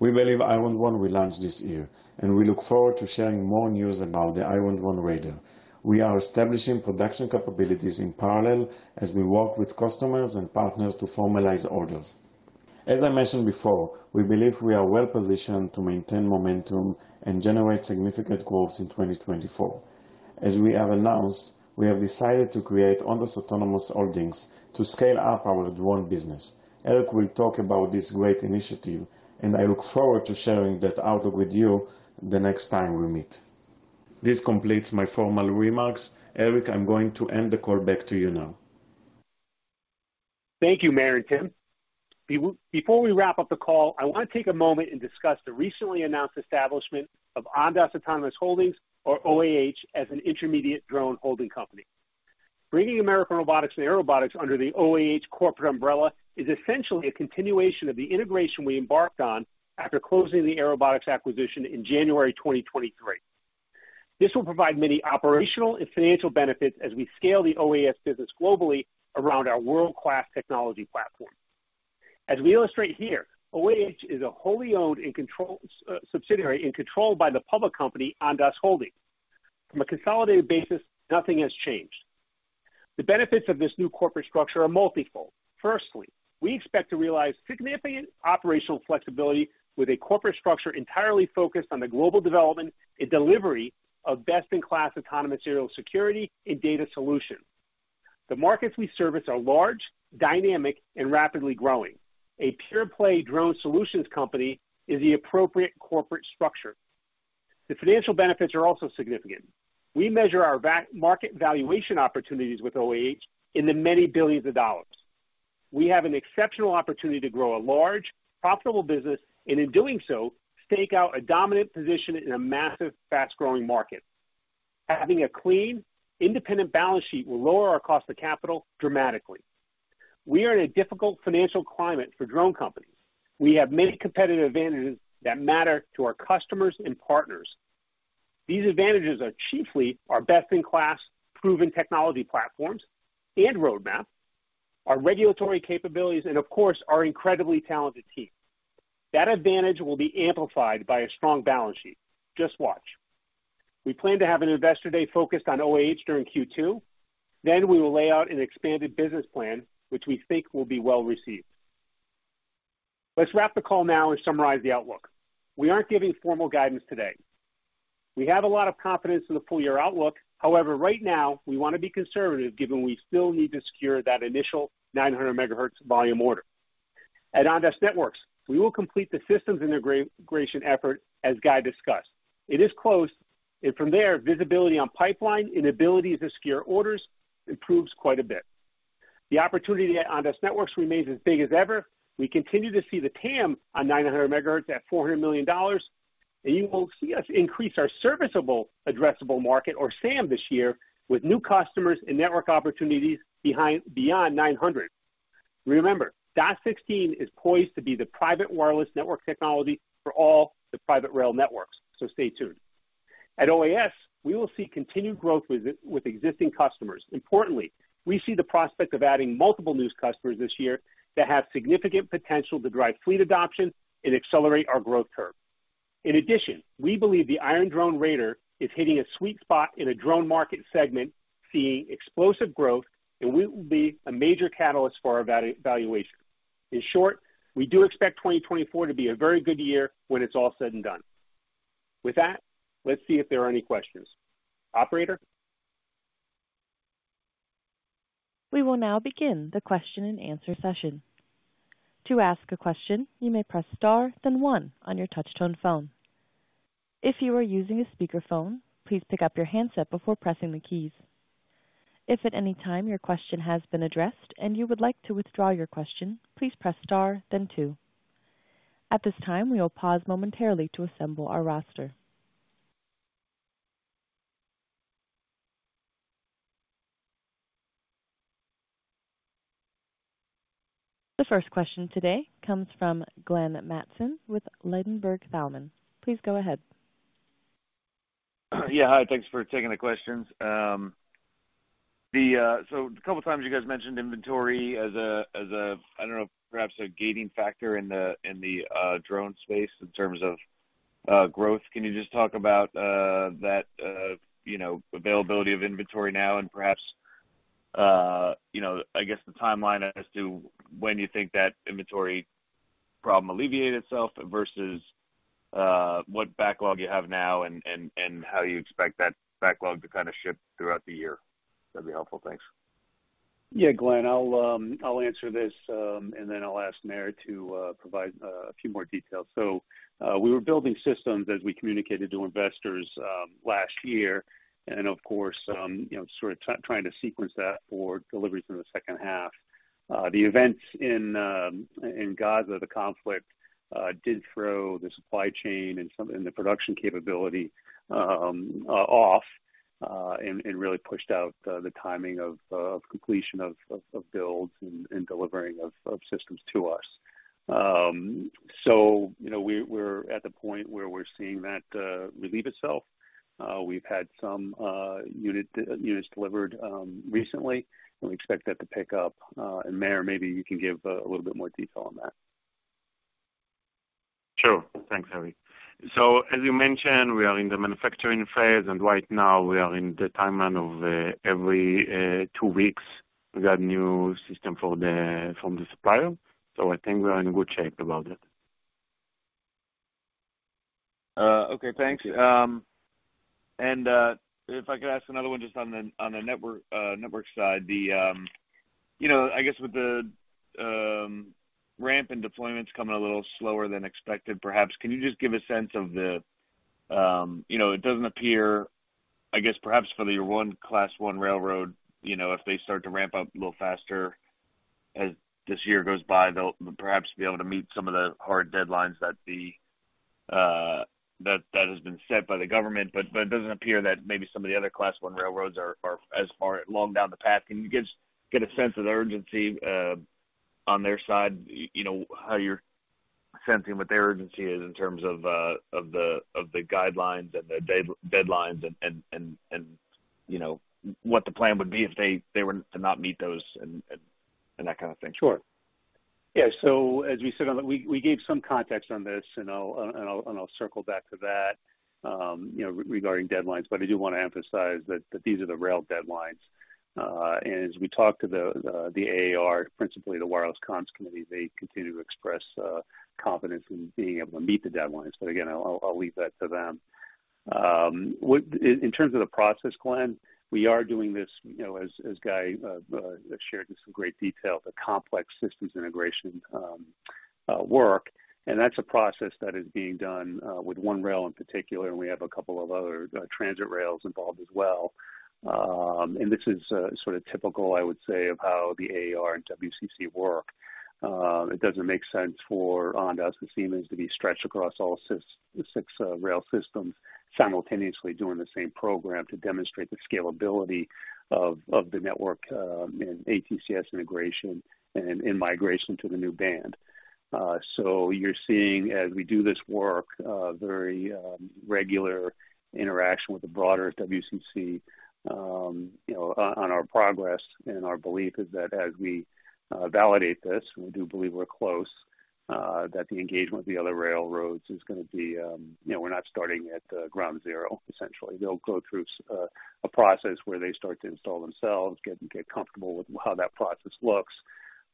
We believe Iron Drone will launch this year, and we look forward to sharing more news about the Iron Drone Raider. We are establishing production capabilities in parallel as we work with customers and partners to formalize orders. As I mentioned before, we believe we are well positioned to maintain momentum and generate significant growth in 2024. As we have announced, we have decided to create Ondas Autonomous Holdings to scale up our drone business. Eric will talk about this great initiative, and I look forward to sharing that outlook with you the next time we meet. This completes my formal remarks. Eric, I'm going to end the call back to you now. Thank you, Meir and Tim. Before we wrap up the call, I want to take a moment and discuss the recently announced establishment of Ondas Autonomous Holdings, or OAH, as an intermediate drone holding company. Bringing American Robotics and Airobotics under the OAH corporate umbrella is essentially a continuation of the integration we embarked on after closing the Airobotics acquisition in January 2023. This will provide many operational and financial benefits as we scale the OAS business globally around our world-class technology platform. As we illustrate here, OAH is a wholly owned and controlled subsidiary controlled by the public company Ondas Holdings. From a consolidated basis, nothing has changed. The benefits of this new corporate structure are multiple. Firstly, we expect to realize significant operational flexibility with a corporate structure entirely focused on the global development and delivery of best-in-class autonomous aerial security and data solutions. The markets we service are large, dynamic, and rapidly growing. A pure-play drone solutions company is the appropriate corporate structure. The financial benefits are also significant. We measure our market valuation opportunities with OAH in the many billions of dollars. We have an exceptional opportunity to grow a large, profitable business and, in doing so, stake out a dominant position in a massive, fast-growing market. Having a clean, independent balance sheet will lower our cost of capital dramatically. We are in a difficult financial climate for drone companies. We have many competitive advantages that matter to our customers and partners. These advantages are chiefly our best-in-class, proven technology platforms and roadmap, our regulatory capabilities, and, of course, our incredibly talented team. That advantage will be amplified by a strong balance sheet. Just watch. We plan to have an investor day focused on OAH during Q2. Then we will lay out an expanded business plan, which we think will be well received. Let's wrap the call now and summarize the outlook. We aren't giving formal guidance today. We have a lot of confidence in the full-year outlook. However, right now, we want to be conservative given we still need to secure that initial 900 MHz volume order. At Ondas Networks, we will complete the systems integration effort as Guy discussed. It is close, and from there, visibility on pipeline and ability to secure orders improves quite a bit. The opportunity at Ondas Networks remains as big as ever. We continue to see the TAM on 900 MHz at $400 million, and you will see us increase our serviceable addressable market, or SAM, this year with new customers and network opportunities beyond 900. Remember, dot16 is poised to be the private wireless network technology for all the private rail networks, so stay tuned. At OAS, we will see continued growth with existing customers. Importantly, we see the prospect of adding multiple new customers this year that have significant potential to drive fleet adoption and accelerate our growth curve. In addition, we believe the Iron Drone Raider is hitting a sweet spot in a drone market segment seeing explosive growth, and we will be a major catalyst for our valuation. In short, we do expect 2024 to be a very good year when it's all said and done. With that, let's see if there are any questions. Operator? We will now begin the question-and-answer session. To ask a question, you may press star, then one, on your touchtone phone. If you are using a speakerphone, please pick up your handset before pressing the keys. If at any time your question has been addressed and you would like to withdraw your question, please press star, then two. At this time, we will pause momentarily to assemble our roster. The first question today comes from Glenn Mattson with Ladenburg Thalmann. Please go ahead. Yeah. Hi. Thanks for taking the questions. So a couple of times you guys mentioned inventory as a, I don't know, perhaps a gating factor in the drone space in terms of growth. Can you just talk about that availability of inventory now and perhaps, I guess, the timeline as to when you think that inventory problem alleviated itself versus what backlog you have now and how you expect that backlog to kind of shift throughout the year? That'd be helpful. Thanks. Yeah, Glenn. I'll answer this, and then I'll ask Meir to provide a few more details. So we were building systems as we communicated to investors last year, and of course, sort of trying to sequence that for deliveries in the second half. The events in Gaza, the conflict, did throw the supply chain and the production capability off and really pushed out the timing of completion of builds and delivering of systems to us. So we're at the point where we're seeing that relieve itself. We've had some units delivered recently, and we expect that to pick up. And Meir, maybe you can give a little bit more detail on that. Sure. Thanks, Eric. So as you mentioned, we are in the manufacturing phase, and right now we are in the timeline of every two weeks we got a new system from the supplier. So I think we are in good shape about that. Okay. Thanks. If I could ask another one just on the network side, I guess with the ramp and deployments coming a little slower than expected, perhaps. Can you just give a sense of it? It doesn't appear, I guess, perhaps for the Class 1 railroad, if they start to ramp up a little faster as this year goes by, they'll perhaps be able to meet some of the hard deadlines that has been set by the government. But it doesn't appear that maybe some of the other Class 1 railroads are as far along down the path. Can you get a sense of the urgency on their side, how you're sensing what their urgency is in terms of the guidelines and the deadlines and what the plan would be if they were to not meet those and that kind of thing? Sure. Yeah. So as we sit on it, we gave some context on this, and I'll circle back to that regarding deadlines. But I do want to emphasize that these are the rail deadlines. And as we talk to the AAR, principally the Wireless Comms Committee, they continue to express confidence in being able to meet the deadlines. But again, I'll leave that to them. In terms of the process, Glen, we are doing this, as Guy shared in some great detail, the complex systems integration work. And that's a process that is being done with one rail in particular, and we have a couple of other transit rails involved as well. And this is sort of typical, I would say, of how the AAR and WCC work. It doesn't make sense for Ondas and Siemens to be stretched across all six rail systems simultaneously doing the same program to demonstrate the scalability of the network and ATCS integration and migration to the new band. So you're seeing, as we do this work, very regular interaction with the broader WCC on our progress. And our belief is that as we validate this, and we do believe we're close, that the engagement with the other railroads is going to be we're not starting at ground zero, essentially. They'll go through a process where they start to install themselves, get comfortable with how that process looks.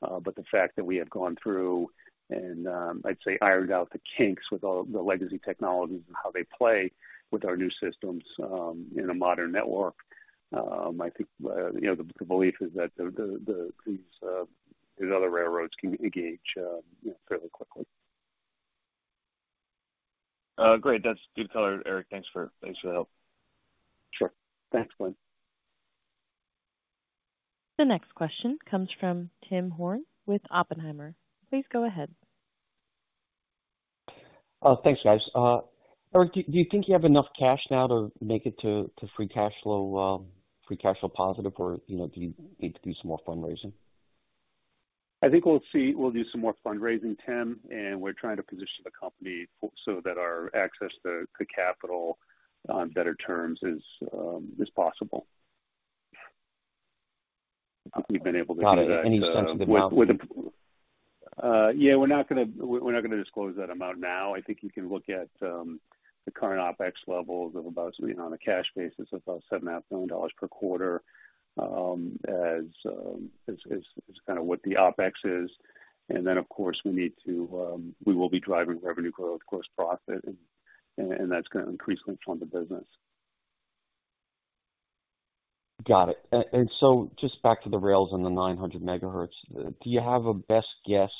The fact that we have gone through and, I'd say, ironed out the kinks with all the legacy technologies and how they play with our new systems in a modern network, I think the belief is that these other railroads can engage fairly quickly. Great. That's good color, Eric. Thanks for the help. Sure. Thanks, Glenn. The next question comes from Tim Horan with Oppenheimer. Please go ahead. Thanks, guys. Eric, do you think you have enough cash now to make it to free cash flow positive, or do you need to do some more fundraising? I think we'll do some more fundraising, Tim, and we're trying to position the company so that our access to capital on better terms is possible. I think we've been able to do that. Got it. Any sense of the amount? Yeah. We're not going to disclose that amount now. I think you can look at the current OPEX levels of about on a cash basis of about $7.5 million per quarter as kind of what the OPEX is. And then, of course, we will be driving revenue growth, gross profit, and that's going to increase links on the business. Got it. And so just back to the rails and the 900 MHz, do you have a best guess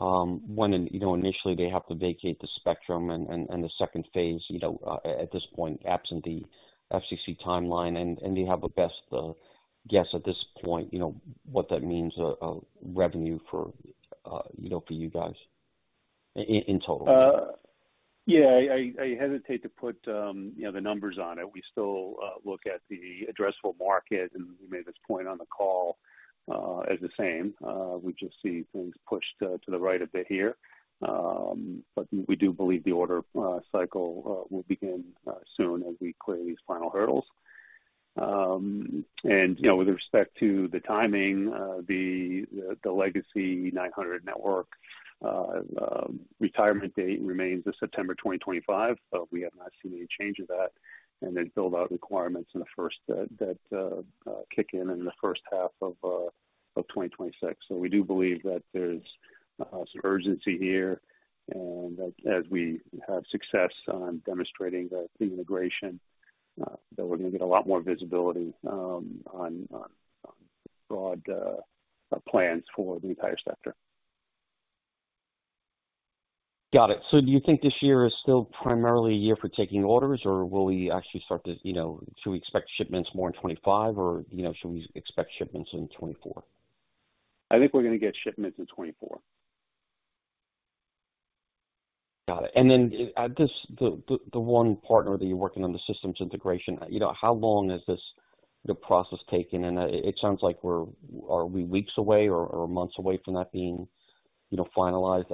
when initially they have to vacate the spectrum and the second phase at this point, absent the FCC timeline, and do you have a best guess at this point what that means revenue for you guys in total? Yeah. I hesitate to put the numbers on it. We still look at the addressable market, and we made this point on the call as the same. We just see things pushed to the right a bit here. But we do believe the order cycle will begin soon as we clear these final hurdles. And with respect to the timing, the legacy 900 network retirement date remains September 2025. We have not seen any change of that. And then build-out requirements in the first that kick in in the first half of 2026. So we do believe that there's some urgency here, and that as we have success on demonstrating the integration, that we're going to get a lot more visibility on broad plans for the entire sector. Got it. So do you think this year is still primarily a year for taking orders, or will we actually should we expect shipments more in 2025, or should we expect shipments in 2024? I think we're going to get shipments in 2024. Got it. And then the one partner that you're working on, the systems integration, how long has this process taken? And it sounds like we're. Are we weeks away or months away from that being finalized?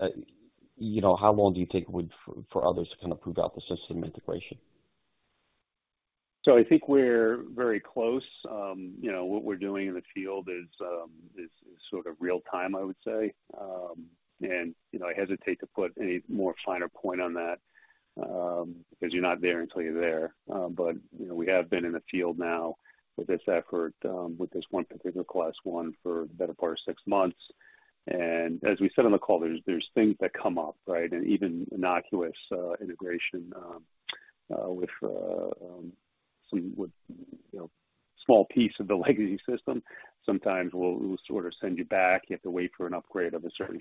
And how long do you think it would take for others to kind of prove out the system integration? So I think we're very close. What we're doing in the field is sort of real-time, I would say. And I hesitate to put any more finer point on that because you're not there until you're there. But we have been in the field now with this effort, with this one particular Class 1 for the better part of six months. And as we said on the call, there's things that come up, right? And even innocuous integration with some small piece of the legacy system, sometimes we'll sort of send you back. You have to wait for an upgrade of a certain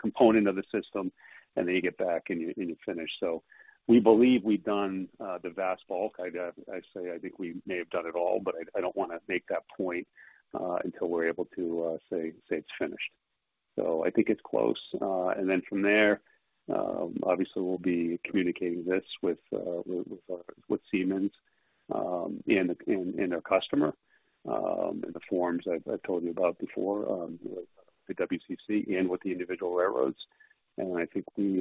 component of the system, and then you get back, and you're finished. So we believe we've done the vast bulk. I say I think we may have done it all, but I don't want to make that point until we're able to say it's finished. So I think it's close. And then from there, obviously, we'll be communicating this with Siemens and our customer in the forms I've told you about before, the WCC, and with the individual railroads. And I think from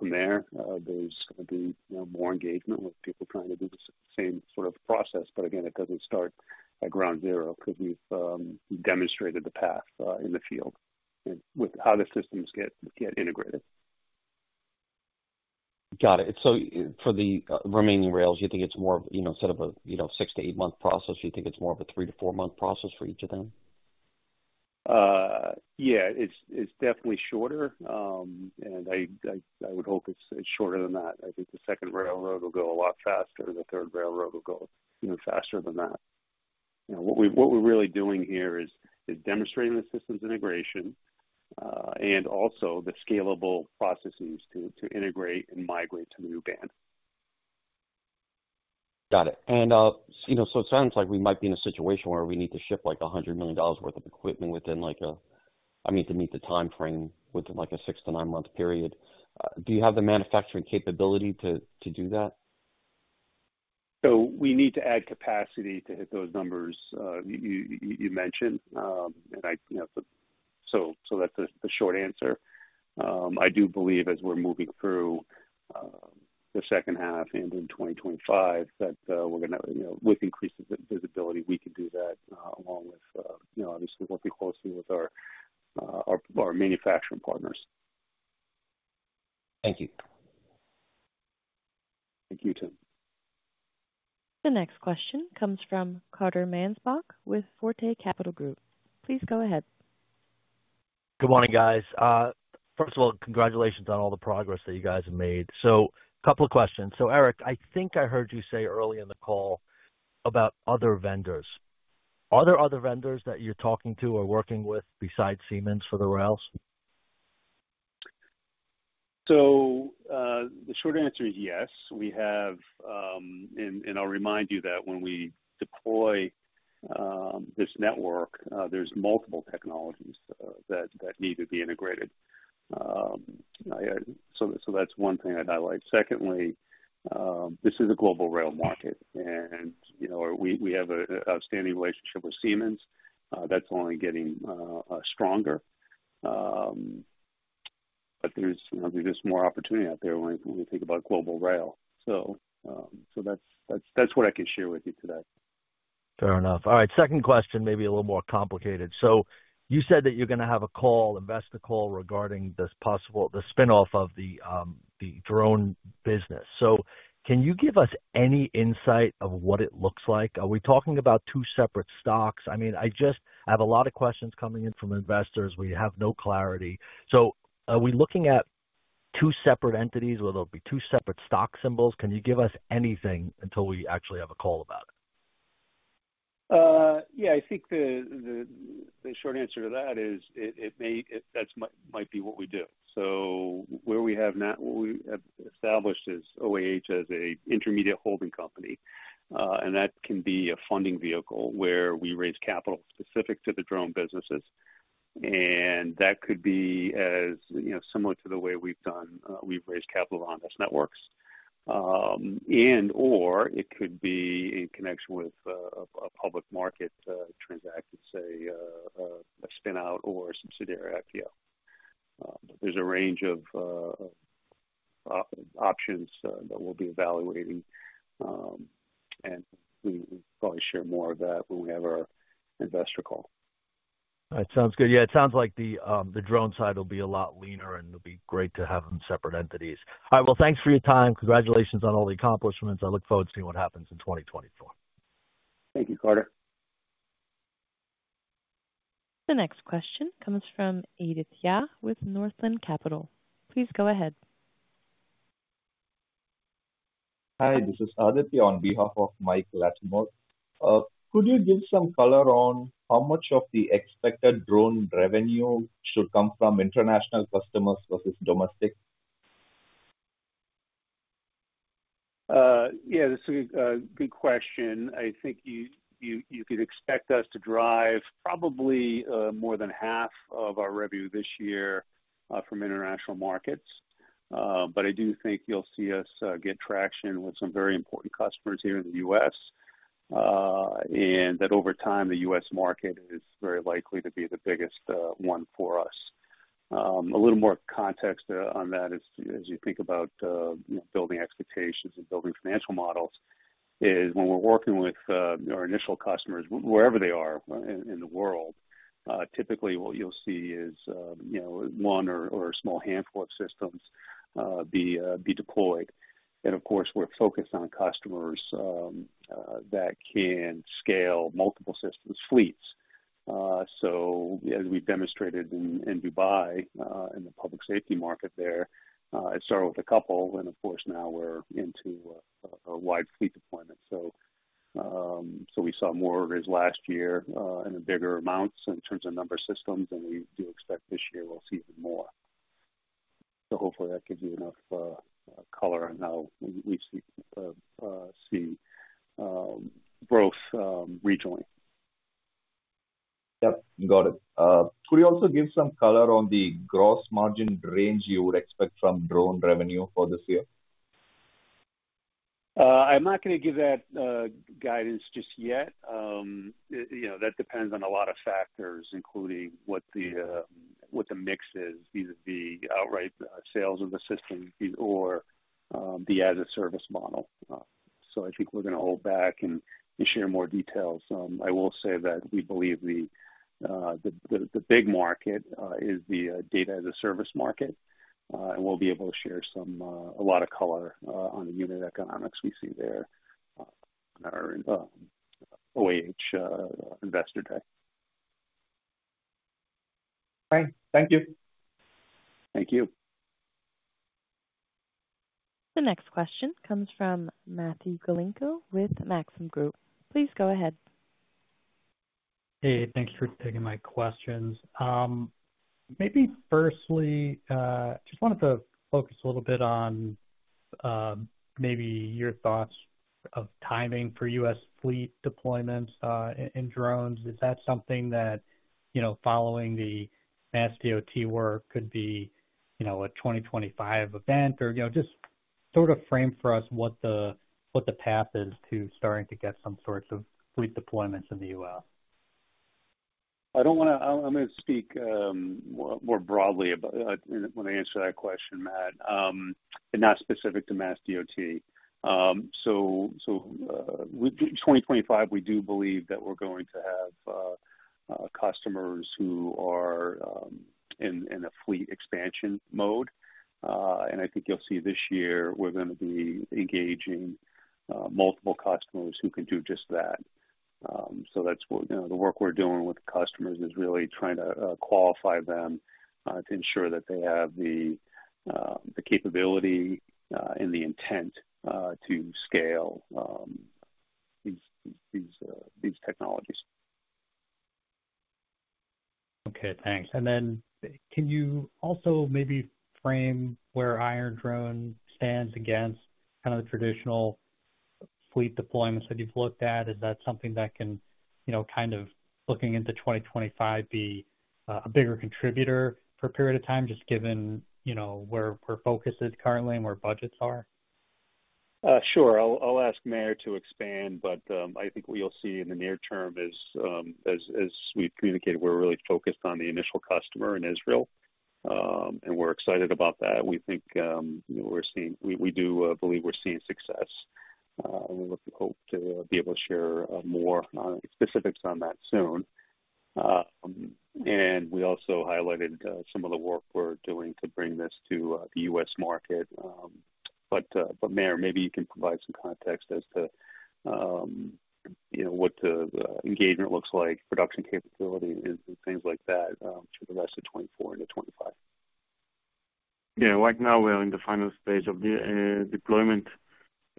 there, there's going to be more engagement with people trying to do the same sort of process. But again, it doesn't start at ground zero because we've demonstrated the path in the field with how the systems get integrated. Got it. So for the remaining rails, you think it's more of instead of a six-eight-month process, you think it's more of a three-four-month process for each of them? Yeah. It's definitely shorter, and I would hope it's shorter than that. I think the second railroad will go a lot faster. The third railroad will go even faster than that. What we're really doing here is demonstrating the systems integration and also the scalable processes to integrate and migrate to the new band. Got it. And so it sounds like we might be in a situation where we need to ship $100 million worth of equipment within I mean, to meet the timeframe within a six-nine-month period. Do you have the manufacturing capability to do that? We need to add capacity to hit those numbers you mentioned, so that's the short answer. I do believe, as we're moving through the second half and in 2025, that we're going to with increased visibility, we can do that along with, obviously, working closely with our manufacturing partners. Thank you. Thank you, Tim. The next question comes from Carter Mansbach with Forte Capital Group. Please go ahead. Good morning, guys. First of all, congratulations on all the progress that you guys have made. A couple of questions. Eric, I think I heard you say early in the call about other vendors. Are there other vendors that you're talking to or working with besides Siemens for the rails? So the short answer is yes. And I'll remind you that when we deploy this network, there's multiple technologies that need to be integrated. So that's one thing I'd highlight. Secondly, this is a global rail market, and we have an outstanding relationship with Siemens. That's only getting stronger. But there's just more opportunity out there when we think about global rail. So that's what I can share with you today. Fair enough. All right. Second question, maybe a little more complicated. So you said that you're going to have a call, investor call regarding the spinoff of the drone business. So can you give us any insight of what it looks like? Are we talking about two separate stocks? I mean, I just have a lot of questions coming in from investors. We have no clarity. So are we looking at two separate entities, or there'll be two separate stock symbols? Can you give us anything until we actually have a call about it? Yeah. I think the short answer to that is that might be what we do. So where we have what we have established is OAH as an intermediate holding company, and that can be a funding vehicle where we raise capital specific to the drone businesses. And that could be similar to the way we've raised capital on Ondas Networks. And/or it could be in connection with a public market transaction, say, a spinout or a subsidiary IPO. There's a range of options that we'll be evaluating, and we'll probably share more of that when we have our investor call. All right. Sounds good. Yeah. It sounds like the drone side will be a lot leaner, and it'll be great to have them separate entities. All right. Well, thanks for your time. Congratulations on all the accomplishments. I look forward to seeing what happens in 2024. Thank you, Carter. The next question comes from Aditya with Northland Capital. Please go ahead. Hi. This is Aditya on behalf of Mike Latimore. Could you give some color on how much of the expected drone revenue should come from international customers versus domestic? Yeah. That's a good question. I think you could expect us to drive probably more than half of our revenue this year from international markets. But I do think you'll see us get traction with some very important customers here in the U.S., and that over time, the U.S. market is very likely to be the biggest one for us. A little more context on that, as you think about building expectations and building financial models, is when we're working with our initial customers, wherever they are in the world, typically, what you'll see is one or a small handful of systems be deployed. And of course, we're focused on customers that can scale multiple systems, fleets. So as we've demonstrated in Dubai in the public safety market there, it started with a couple, and of course, now we're into a wide fleet deployment. We saw more orders last year and in bigger amounts in terms of number of systems, and we do expect this year we'll see even more. Hopefully, that gives you enough color on how we see growth regionally. Yep. Got it. Could you also give some color on the gross margin range you would expect from drone revenue for this year? I'm not going to give that guidance just yet. That depends on a lot of factors, including what the mix is, either the outright sales of the system or the as-a-service model. So I think we're going to hold back and share more details. I will say that we believe the big market is the data as-a-service market, and we'll be able to share a lot of color on the unit economics we see there on our OAH Investor Day. All right. Thank you. Thank you. The next question comes from Matthew Galinko with Maxim Group. Please go ahead. Hey. Thanks for taking my questions. Maybe firstly, I just wanted to focus a little bit on maybe your thoughts of timing for U.S. fleet deployments in drones. Is that something that following the MassDOT work could be a 2025 event, or just sort of frame for us what the path is to starting to get some sorts of fleet deployments in the U.S.? I don't want to, I'm going to speak more broadly when I answer that question, Matt, and not specific to MassDOT. So 2025, we do believe that we're going to have customers who are in a fleet expansion mode. And I think you'll see this year, we're going to be engaging multiple customers who can do just that. So the work we're doing with customers is really trying to qualify them to ensure that they have the capability and the intent to scale these technologies. Okay. Thanks. And then can you also maybe frame where Iron Drone stands against kind of the traditional fleet deployments that you've looked at? Is that something that can kind of, looking into 2025, be a bigger contributor for a period of time, just given where focus is currently and where budgets are? Sure. I'll ask Meir to expand, but I think what you'll see in the near term is, as we've communicated, we're really focused on the initial customer in Israel, and we're excited about that. We think we're seeing we do believe we're seeing success. We hope to be able to share more specifics on that soon. And we also highlighted some of the work we're doing to bring this to the US market. But Meir, maybe you can provide some context as to what the engagement looks like, production capability, and things like that for the rest of 2024 into 2025. Yeah. Right now, we're in the final stage of deployment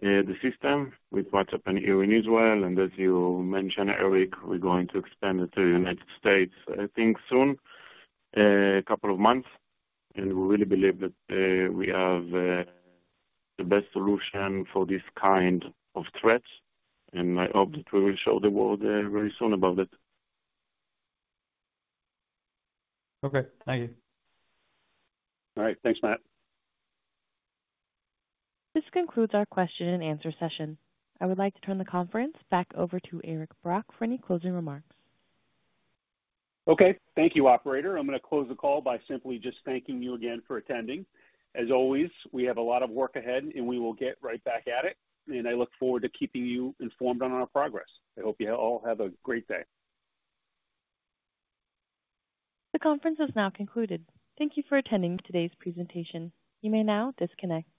of the system with [WatchUp] and [EU] in Israel. And as you mentioned, Eric, we're going to expand it to the United States, I think, soon, a couple of months. And we really believe that we have the best solution for this kind of threat, and I hope that we will show the world very soon about it. Okay. Thank you. All right. Thanks, Matt. This concludes our question-and-answer session. I would like to turn the conference back over to Eric Brock for any closing remarks. Okay. Thank you, operator. I'm going to close the call by simply just thanking you again for attending. As always, we have a lot of work ahead, and we will get right back at it. And I look forward to keeping you informed on our progress. I hope you all have a great day. The conference is now concluded. Thank you for attending today's presentation. You may now disconnect.